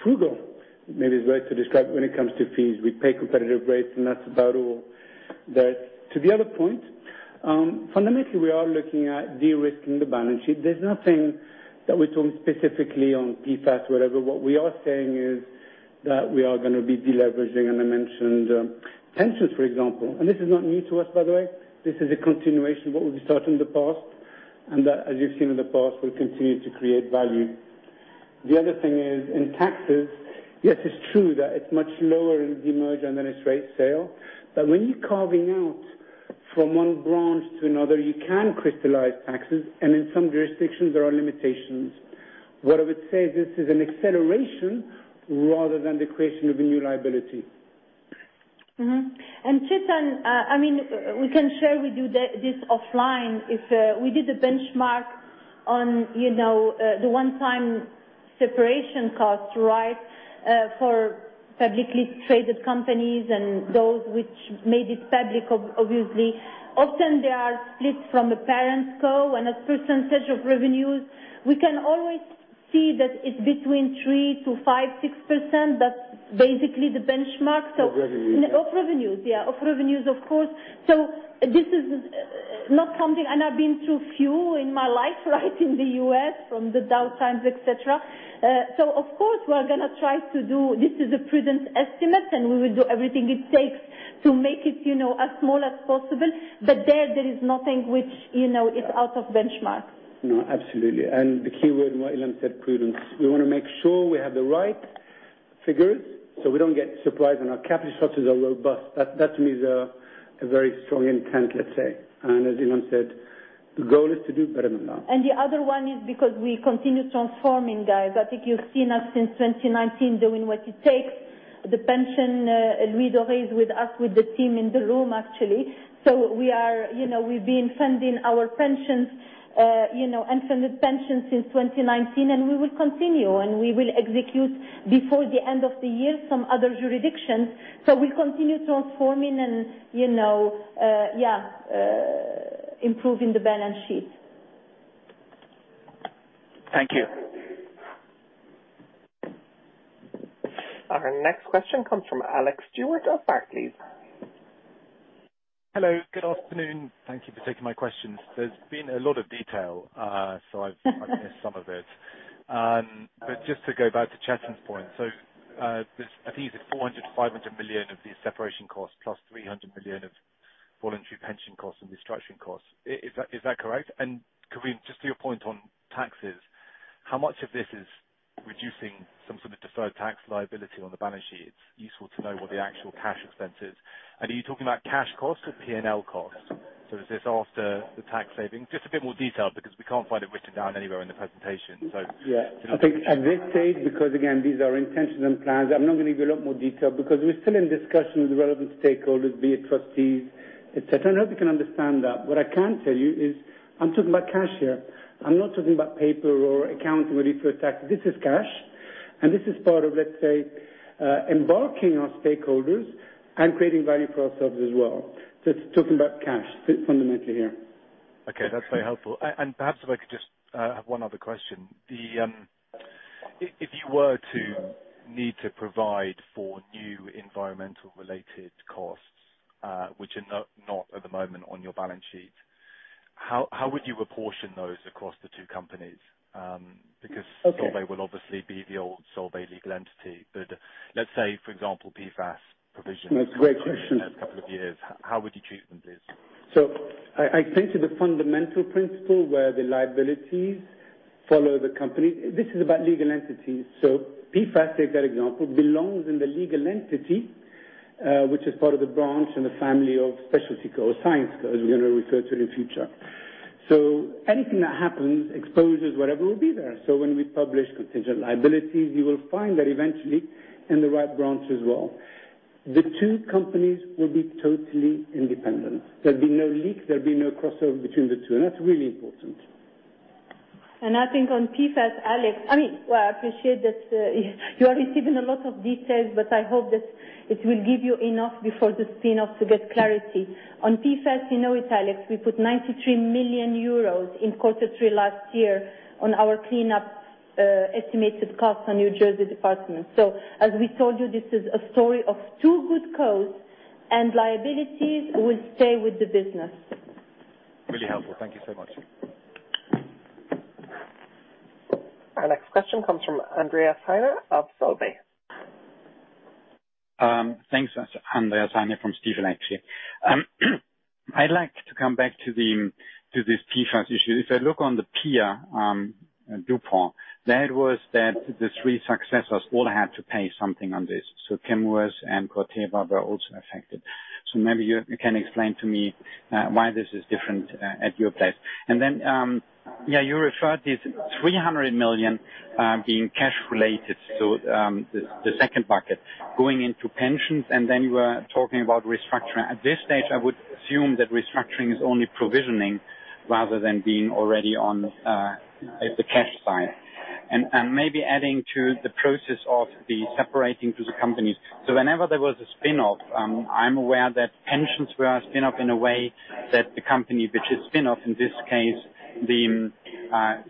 frugal, maybe the way to describe it, when it comes to fees. We pay competitive rates, and that's about all. To the other point, fundamentally, we are looking at de-risking the balance sheet. There's nothing that we're doing specifically on PFAS, whatever. What we are saying is, that we are gonna be de-leveraging, and I mentioned pensions, for example. This is not new to us, by the way. This is a continuation of what we started in the past, and as you've seen in the past, we continue to create value. The other thing is, in taxes, yes, it's true that it's much lower in demerger than it's rate sale. When you're carving out from one branch to another, you can crystallize taxes, and in some jurisdictions, there are limitations. What I would say, this is an acceleration rather than the creation of a new liability. Chetan, I mean, we can share with you this offline. If we did a benchmark on, you know, the one-time separation cost, right? For publicly traded companies and those which made it public obviously. Often they are split from a parent co and a percentage of revenues. We can always see that it's between 3% to 5%, 6%. That's basically the benchmark. Of revenues. Of revenues, yeah, of revenues, of course. This is not something. I've been through few in my life, right? In the U.S., from the Dow times, et cetera. Of course, we're gonna try to do. This is a prudent estimate, we will do everything it takes to make it, you know, as small as possible. There is nothing which, you know, is out of benchmark. No, absolutely. The key word what Ilham said, prudence. We want to make sure we have the right figures, so we don't get surprised, and our capital structures are robust. That to me is a very strong intent, let's say. As Ilham said, the goal is to do better than that. The other one is because we continue transforming, guys. I think you've seen us since 2019 doing what it takes. The pension, Louis Desrochers, with us, with the team in the room, actually. We are, you know, we've been funding our pensions, you know, unfunded pensions since 2019, and we will continue, and we will execute before the end of the year, some other jurisdictions. We'll continue transforming and, you know, improving the balance sheet. Thank you. Our next question comes from Alex Stewart of Barclays. Hello, good afternoon. Thank you for taking my questions. There's been a lot of detail, I've missed some of it. Just to go back to Chetan's point. This, I think it's 400 million-500 million of these separation costs, plus 300 million of voluntary pension costs and restructuring costs. Is that, is that correct? Karim, just to your point on taxes, how much of this is reducing some sort of deferred tax liability on the balance sheet? It's useful to know what the actual cash expense is. Are you talking about cash costs or P&L costs? Is this after the tax savings? Just a bit more detail, because we can't find it written down anywhere in the presentation. I think at this stage, because again, these are intentions and plans, I'm not going to give a lot more detail because we're still in discussion with the relevant stakeholders, be it trustees, et cetera. I hope you can understand that. What I can tell you is, I'm talking about cash here. I'm not talking about paper or accounting relief for tax. This is cash, and this is part of, let's say, embarking our stakeholders and creating value for ourselves as well. It's talking about cash, sit fundamentally here. Okay, that's very helpful. Perhaps if I could just have one other question. If you were to need to provide for new environmental related costs, which are not at the moment on your balance sheet, how would you apportion those across the two companies? Okay. Solvay will obviously be the old Solvay legal entity, let's say, for example, PFAS provisions- That's a great question. In the next couple of years. How would you treat them, please? I think to the fundamental principle, where the liabilities follow the company, this is about legal entities. PFAS, take that example, belongs in the legal entity, which is part of the branch and the family of Specialty Co. or Syensqo, as we're going to refer to in the future. Anything that happens, exposures, whatever, will be there. When we publish contingent liabilities, you will find that eventually, in the right branch as well, the two companies will be totally independent. There'll be no leak, there'll be no crossover between the two, and that's really important. I think on PFAS, Alex, I mean, well, I appreciate that, you are receiving a lot of details, but I hope that it will give you enough before the spin-off to get clarity. On PFAS, you know it, Alex, we put 93 million euros in quarter three last year on our cleanup, estimated cost on New Jersey Department. As we told you, this is a story of two good cores, and liabilities will stay with the business. Really helpful. Thank you so much. Our next question comes from Andreas Heine of Stifel. Thanks. Andreas Heine from Stifel, actually. I'd like to come back to this PFAS issue. If I look on the pier, DuPont, that was that the three successors all had to pay something on this, so Chemours and Corteva were also affected. Maybe you can explain to me, why this is different, at your place? And then, yeah, you referred this 300 million, being cash related. The second bucket going into pensions, and then you were talking about restructuring. At this stage, I would assume that restructuring is only provisioning rather than being already at the cash side. And maybe adding to the process of the separating to the companies. Whenever there was a spin-off, I'm aware that pensions were a spin-off in a way that the company, which is spin-off, in this case, the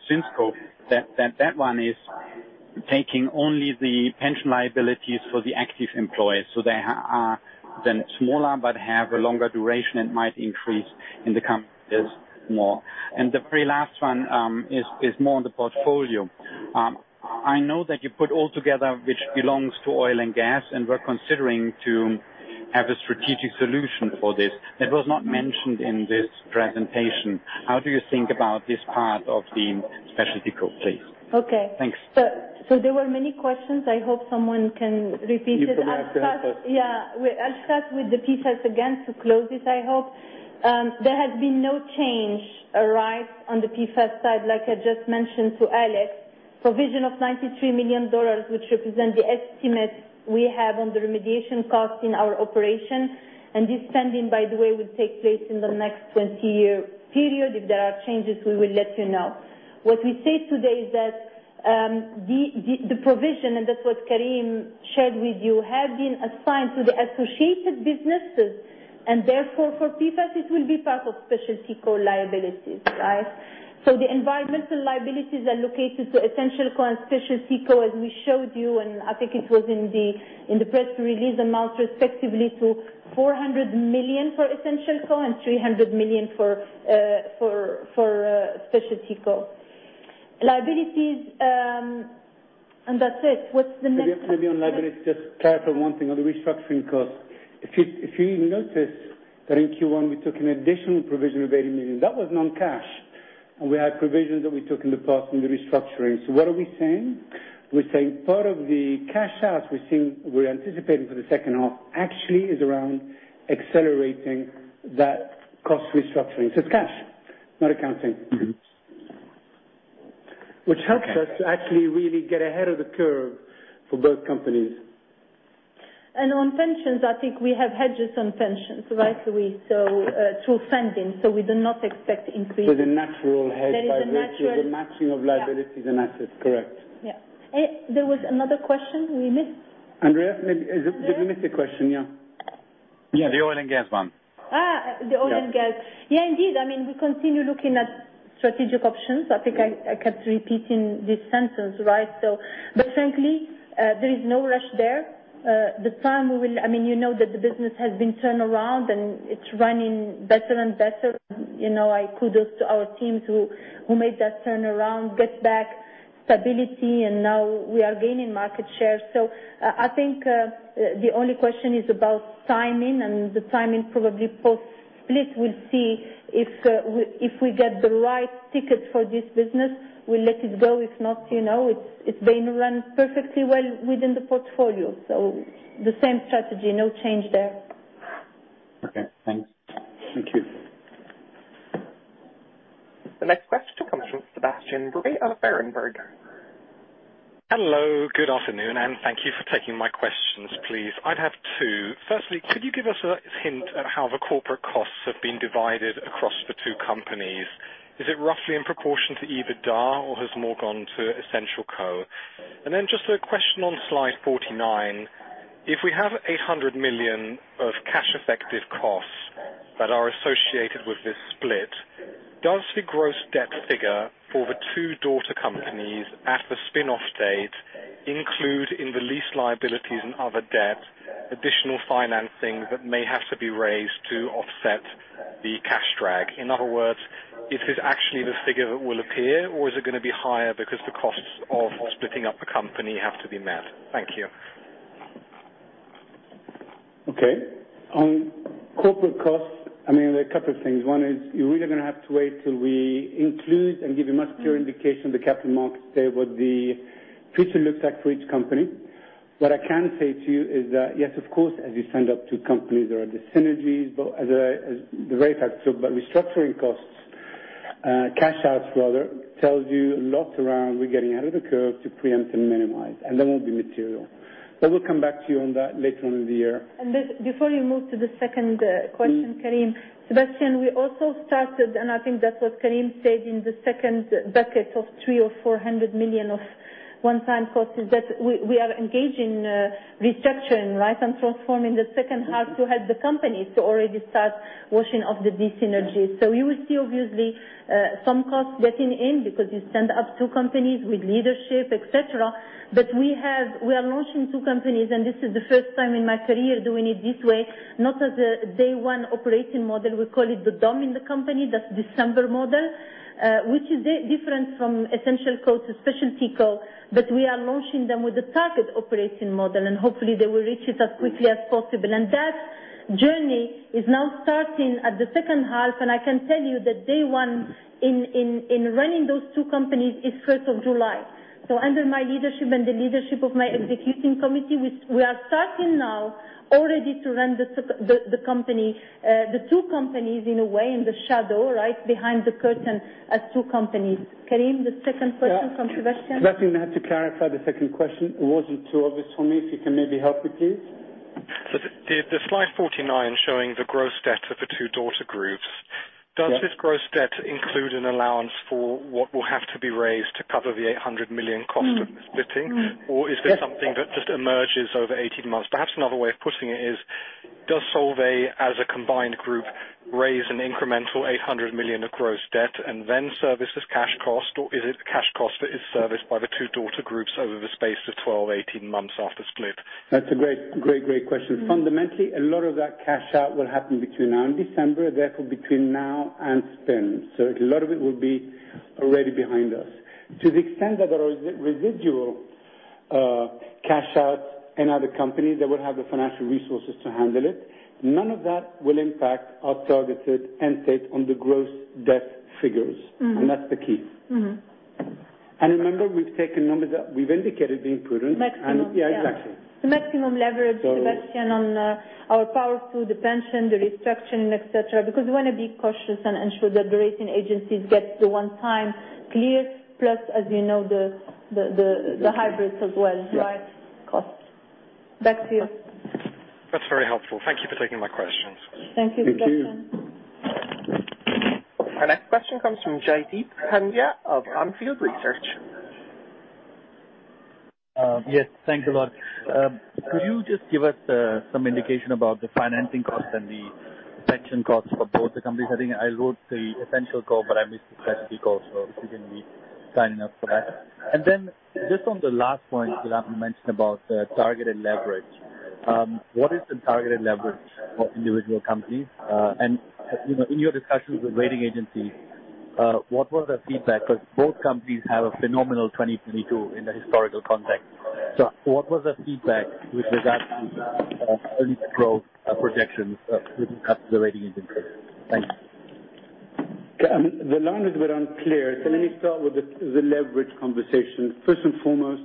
Syensqo, that one is taking only the pension liabilities for the active employees. They are then smaller but have a longer duration and might increase in the coming years more. The very last one is more on the portfolio. I know that you put all together, which belongs to Oil & Gas, and we're considering to have a strategic solution for this. It was not mentioned in this presentation. How do you think about this part of the Specialty Co, please? Okay. Thanks. There were many questions. I hope someone can repeat it. You can ask the first. Yeah. I'll start with the PFAS again to close it, I hope. There has been no change arise on the PFAS side, like I just mentioned to Alex. Provision of $93 million, which represent the estimate we have on the remediation cost in our operation. This spending, by the way, will take place in the next 20-year period. If there are changes, we will let you know. What we say today is that, the provision, that's what Karim shared with you, have been assigned to the associated businesses, therefore, for PFAS, it will be part of Specialty Co liabilities, right? The environmental liabilities are located to Essential Co and Specialty Co, as we showed you, and I think it was in the press release. Amounts respectively to 400 million for Essential Co and 300 million for Specialty Co. Liabilities, and that's it. What's the next? Maybe on liabilities, just clarify one thing on the restructuring cost. If you notice that in Q1, we took an additional provision of 80 million, that was non-cash, and we had provisions that we took in the past in the restructuring. What are we saying? We're saying part of the cash out, we're anticipating for the second half actually is around accelerating that cost restructuring. It's cash, not accounting. Mm-hmm. Helps us to actually really get ahead of the curve for both companies. On pensions, I think we have hedges on pensions, right? Through funding, so we do not expect increase. With a natural hedge. There is a. The matching of liabilities and assets, correct. Yeah. There was another question we missed? Andreas, maybe, did we miss a question? Yeah. Yeah, the Oil & Gas one. The Oil & Gas. Yeah. Yeah, indeed. I mean, we continue looking at strategic options. I think I kept repeating this sentence, right? Frankly, there is no rush there. I mean, you know that the business has been turned around and it's running better and better. You know, I kudos to our teams who made that turnaround, get back stability, and now we are gaining market share. I think the only question is about timing, and the timing probably post-split. We'll see if we get the right ticket for this business, we'll let it go. If not, you know, it's being run perfectly well within the portfolio. The same strategy, no change there. Okay, thanks. Thank you. The next question comes from Sebastian Bray of Berenberg. Hello, good afternoon. Thank you for taking my questions, please. I'd have two. Firstly, could you give us a hint at how the corporate costs have been divided across the two companies? Is it roughly in proportion to EBITDA or has more gone to Essential Co? Then just a question on slide 49. If we have 800 million of cash-effective costs that are associated with this split, does the gross debt figure for the two daughter companies at the spin-off date include in the lease liabilities and other debts, additional financing that may have to be raised to offset the cash drag? In other words, is this actually the figure that will appear, or is it gonna be higher because the costs of splitting up the company have to be met? Thank you. Okay. On corporate costs, I mean, there are a couple of things. One is, you're really gonna have to wait till we include and give you a much clearer indication of the capital markets there, what the future looks like for each company. What I can say to you is that, yes, of course, as you stand up to companies, there are synergies, but as the very fact. Restructuring costs, cash outs rather, tells you a lot around we're getting out of the curve to preempt and minimize, and they won't be material. We'll come back to you on that later on in the year. This, before you move to the second question, Karim, Sebastian, we also started, and I think that's what Karim said in the second bucket of 300 million or 400 million of one-time costs, is that we are engaging restructuring, right? Transforming the second half to help the companies to already start washing off the dysynergies. You will see, obviously, some costs getting in because you stand up two companies with leadership, et cetera. We are launching two companies, and this is the first time in my career doing it this way, not as a day one operating model. We call it the DOM in the company, that's December model, which is different from Essential Co to Specialty Co. We are launching them with a target operating model, and hopefully, they will reach it as quickly as possible. That journey is now starting at the second half, and I can tell you that day one in running those two companies is first of July. Under my leadership and the leadership of my executing committee, we are starting now already to run the company, the two companies in a way, in the shadow, right behind the curtain as two companies. Karim, the second question from Sebastian? Sebastian, I have to clarify the second question. It wasn't too obvious for me, if you can maybe help me, please. The slide 49 showing the gross debt of the two daughter groups. Yes. Does this gross debt include an allowance for what will have to be raised to cover the 800 million cost of splitting? Mm-hmm. Mm. Or is this something Yes. that just emerges over 18 months? Perhaps another way of putting it is, does Solvay, as a combined group, raise an incremental 800 million of gross debt and then services cash cost, or is it cash cost that is serviced by the two daughter groups over the space of 12, 18 months after split? That's a great, great question. Mm-hmm. A lot of that cash out will happen between now and December, therefore between now and then. A lot of it will be already behind us. To the extent that there are residual cash outs in other companies, they will have the financial resources to handle it. None of that will impact our targeted end date on the gross debt figures. Mm-hmm. That's the key. Mm-hmm. Remember, we've taken numbers that we've indicated being prudent. Maximum. Yeah, exactly. The maximum leverage. So- Sebastian, on our power to the pension, the restructuring, et cetera. We want to be cautious and ensure that the rating agencies get the one time clear, plus, as you know, the hybrids as well. Yes. Right? Costs. Back to you. That's very helpful. Thank you for taking my questions. Thank you, Sebastian. Thank you. Our next question comes from Jaideep Pandya of On Field Research. Yes, thank you a lot. Could you just give us some indication about the financing costs and the pension costs for both the companies? I think I wrote the Essential Co, but I missed the Specialty Co, so if you can be signing up for that. Then just on the last point that I mentioned about the targeted leverage, what is the targeted leverage for individual companies? You know, in your discussions with rating agencies, what was the feedback? Because both companies have a phenomenal 2022 in the historical context. What was the feedback with regards to earnings growth, projections with regards to the rating agency? Thank you. The language was unclear, so let me start with the leverage conversation. First and foremost,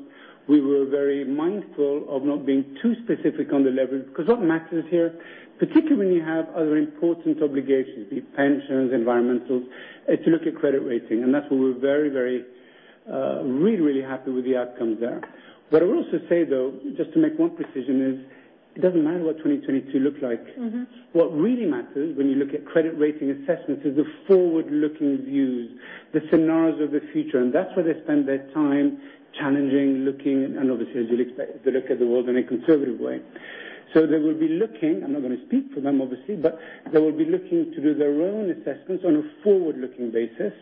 we were very mindful of not being too specific on the leverage, because what matters here, particularly when you have other important obligations, be it pensions, environmentals, is to look at credit rating, and that's where we're very, really happy with the outcome there. What I will also say, though, just to make one precision, is it doesn't matter what 2022 looked like. Mm-hmm. What really matters when you look at credit rating assessments is the forward-looking views, the scenarios of the future. That's where they spend their time challenging, looking, and obviously, as you'd expect, they look at the world in a conservative way. They will be looking, I'm not going to speak for them, obviously, but they will be looking to do their own assessments on a forward-looking basis.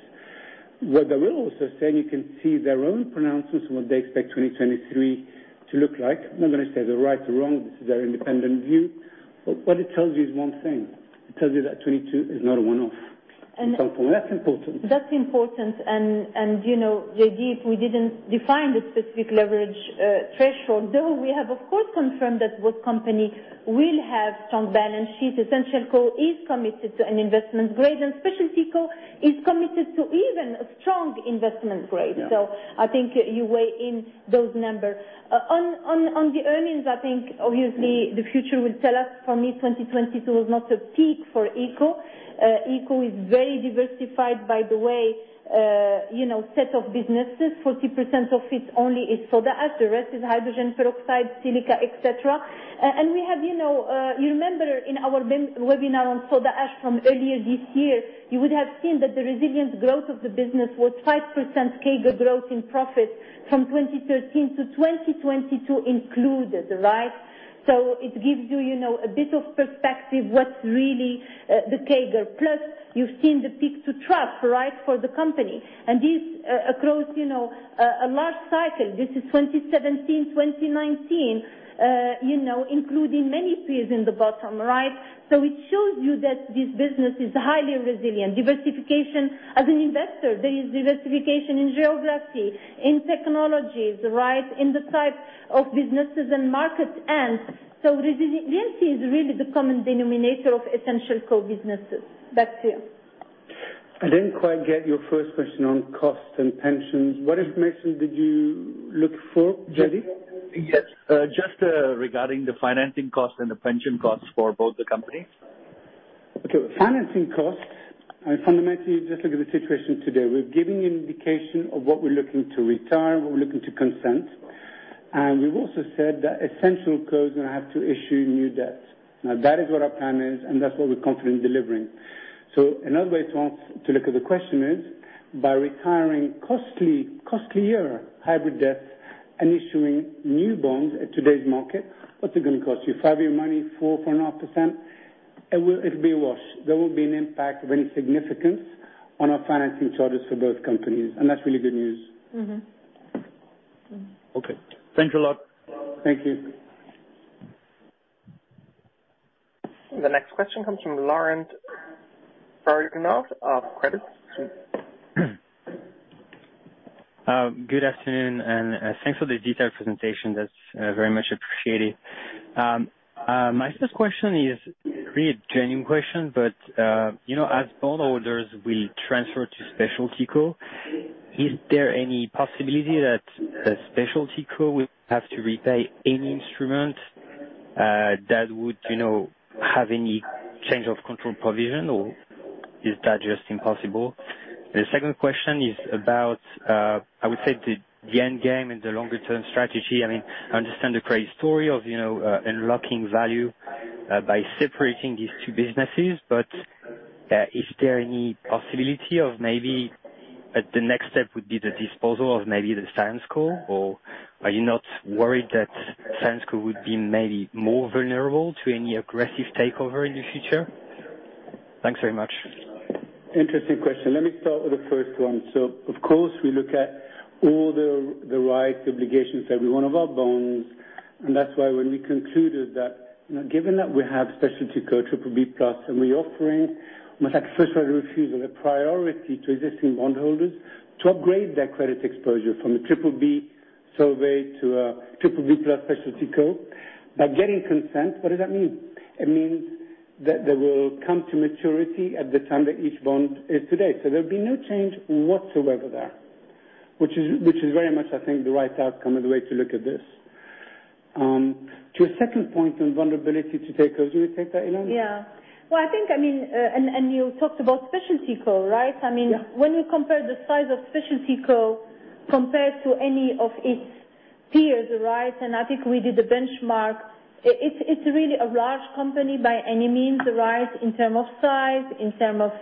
What I will also say, you can see their own pronouncements, what they expect 2023 to look like. I'm not going to say they're right or wrong, this is their independent view, but what it tells you is one thing: It tells you that 22 is not a one-off. And From some form, that's important. That's important, and, you know, Jaideep, we didn't define the specific leverage threshold, though we have of course confirmed that both company will have strong balance sheet. Essential Co is committed to an investment grade. Specialty Co is committed to even a strong investment grade. Yeah. I think you weigh in those numbers. On the earnings, I think obviously the future will tell us for me, 2022 was not a peak for Essential Co. Essential Co is very diversified, by the way, you know, set of businesses. 40% of it only is soda ash, the rest is hydrogen peroxide, silica, et cetera. We have, you know, you remember in our webinar on soda ash from earlier this year, you would have seen that the resilient growth of the business was 5% CAGR growth in profit from 2013 to 2022 included, right? It gives you know, a bit of perspective what's really the CAGR. Plus, you've seen the peak-to-trough, right, for the company. This, across, you know, a large cycle, this is 2017, 2019, you know, including many fees in the bottom, right? It shows you that this business is highly resilient. Diversification as an investor, there is diversification in geography, in technologies, right? In the types of businesses and markets. Resiliency is really the common denominator of Essential Co businesses. Back to you. I didn't quite get your first question on costs and pensions. What information did you look for, Jaideep? Yes, just, regarding the financing costs and the pension costs for both the companies. Okay. Financing costs, I fundamentally just look at the situation today. We're giving you an indication of what we're looking to retire, what we're looking to consent. We've also said that Essential Co. is gonna have to issue new debt. That is what our plan is, and that's what we're confident in delivering. Another way to look at the question is, by retiring costly, costlier hybrid debts and issuing new bonds at today's market, what's it gonna cost you? five-year money, 4.5%. It will. It'll be a wash. There will be an impact of any significance on our financing charges for both companies, and that's really good news. Okay, thank you a lot. Thank you. The next question comes from [Laurent Vernet of Crédit Agricole] Good afternoon, thanks for the detailed presentation. That's very much appreciated. My first question is really a genuine question, you know, as bondholders, we transfer to Specialty Co. Is there any possibility that Specialty Co. will have to repay any instrument that would, you know, have any change of control provision, or is that just impossible? The second question is about, I would say, the end game and the longer-term strategy. I mean, I understand the great story of, you know, unlocking value by separating these two businesses, is there any possibility of maybe at the next step would be the disposal of maybe the Syensqo., or are you not worried that Syensqo. would be maybe more vulnerable to any aggressive takeover in the future? Thanks very much. Interesting question. Let me start with the first one. Of course, we look at all the rights, obligations, every one of our bonds, and that's why when we concluded that, you know, given that we have Specialty Co BBB+, and we're offering with that first right of refusal, a priority to existing bondholders to upgrade their credit exposure from a BBB Solvay to a BBB+ Specialty Co. By getting consent, what does that mean? It means that they will come to maturity at the time that each bond is today. There'll be no change whatsoever there, which is very much I think, the right outcome and the way to look at this. To your second point on vulnerability to takers, do you want to take that, Ilham? Yeah. Well, I think, I mean, and you talked about Specialty Co., right? Yeah. I mean, when you compare the size of Specialty Co. compared to any of its peers, right? I think we did the benchmark. It's really a large company by any means, right? In term of size, in term of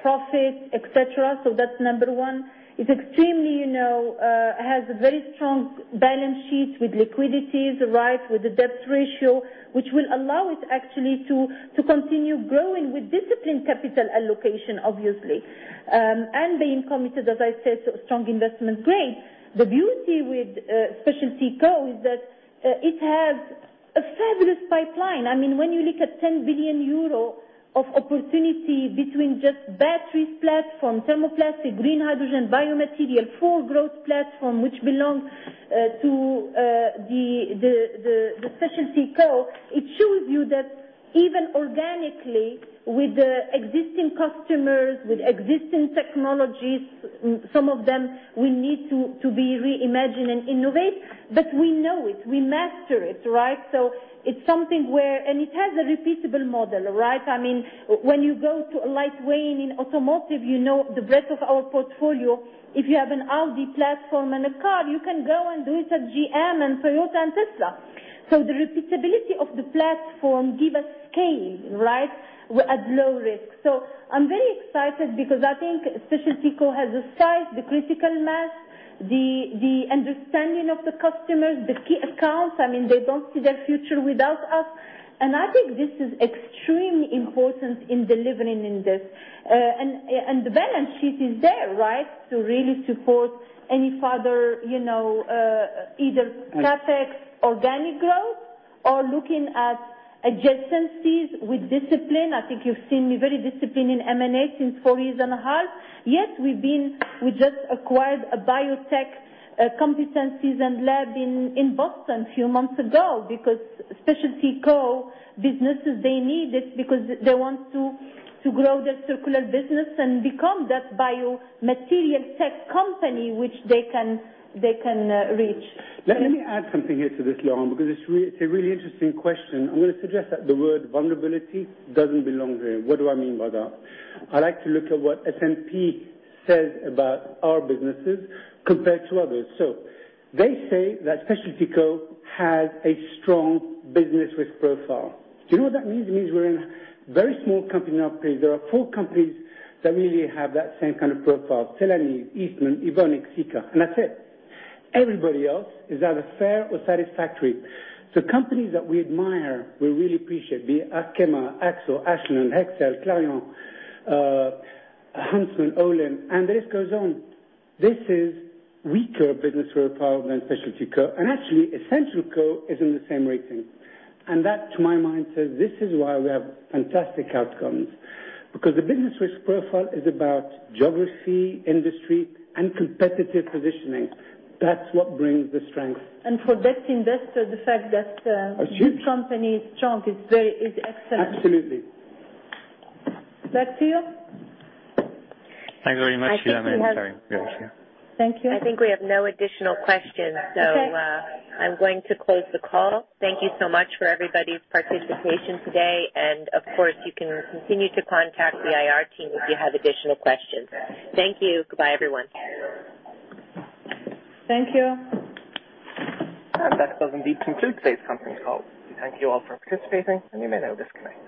profit, et cetera. That's number one. It's extremely, you know, has a very strong balance sheet with liquidities, right? With a debt ratio, which will allow it actually to continue growing with disciplined capital allocation, obviously. Being committed, as I said, to a strong investment grade. The beauty with Specialty Co. is that it has a fabulous pipeline. When you look at 10 billion euro of opportunity between just batteries platform, thermoplastic, green hydrogen, biomaterial, four growth platform, which belong to the Specialty Co., it shows you that even organically, with the existing customers, with existing technologies, some of them we need to be reimagine and innovate, but we know it. We master it, right? It's something where... It has a repeatable model, right? When you go to a lightweight in automotive, you know the breadth of our portfolio. If you have an Audi platform and a car, you can go and do it at GM and Toyota and Tesla. The repeatability of the platform give us scale, right? At low risk. I'm very excited because I think Specialty Co. has the size, the critical mass, the understanding of the customers, the key accounts. I mean, they don't see their future without us. I think this is extremely important in delivering in this. The balance sheet is there, right? To really support any further, you know, either CapEx organic growth or looking at adjacencies with discipline. I think you've seen me very disciplined in M&A in four years and a half. Yes, we just acquired a biotech competencies and lab in Boston a few months ago, because Specialty Co businesses, they need it because they want to grow their circular business and become that biomaterial tech company, which they can reach. Let me add something here to this, Laurent, because it's a really interesting question. I'm gonna suggest that the word vulnerability doesn't belong there. What do I mean by that? I like to look at what S&P says about our businesses compared to others. They say that Specialty Co. has a strong business risk profile. Do you know what that means? It means we're in a very small company page. There are four companies that really have that same kind of profile, Celanese, Eastman, Evonik, Sika, and that's it. Everybody else is either fair or satisfactory. Companies that we admire, we really appreciate, be Arkema, AkzoNobel, Ashland, Hexcel, Clariant, Huntsman, Olin, and the list goes on. This is weaker business profile than Specialty Co. Actually, Essential Co. is in the same rating. That, to my mind, says this is why we have fantastic outcomes. Because the business risk profile is about geography, industry, and competitive positioning. That's what brings the strength. For best investor, the fact that. Huge. The company is strong is excellent. Absolutely. Back to you. Thank you very much. Sorry. Go ahead. Thank you. I think we have no additional questions. Okay. I'm going to close the call. Thank you so much for everybody's participation today, and of course, you can continue to contact the IR team if you have additional questions. Thank you. Goodbye, everyone. Thank you. That does indeed conclude today's company call. Thank you all for participating, and you may now disconnect.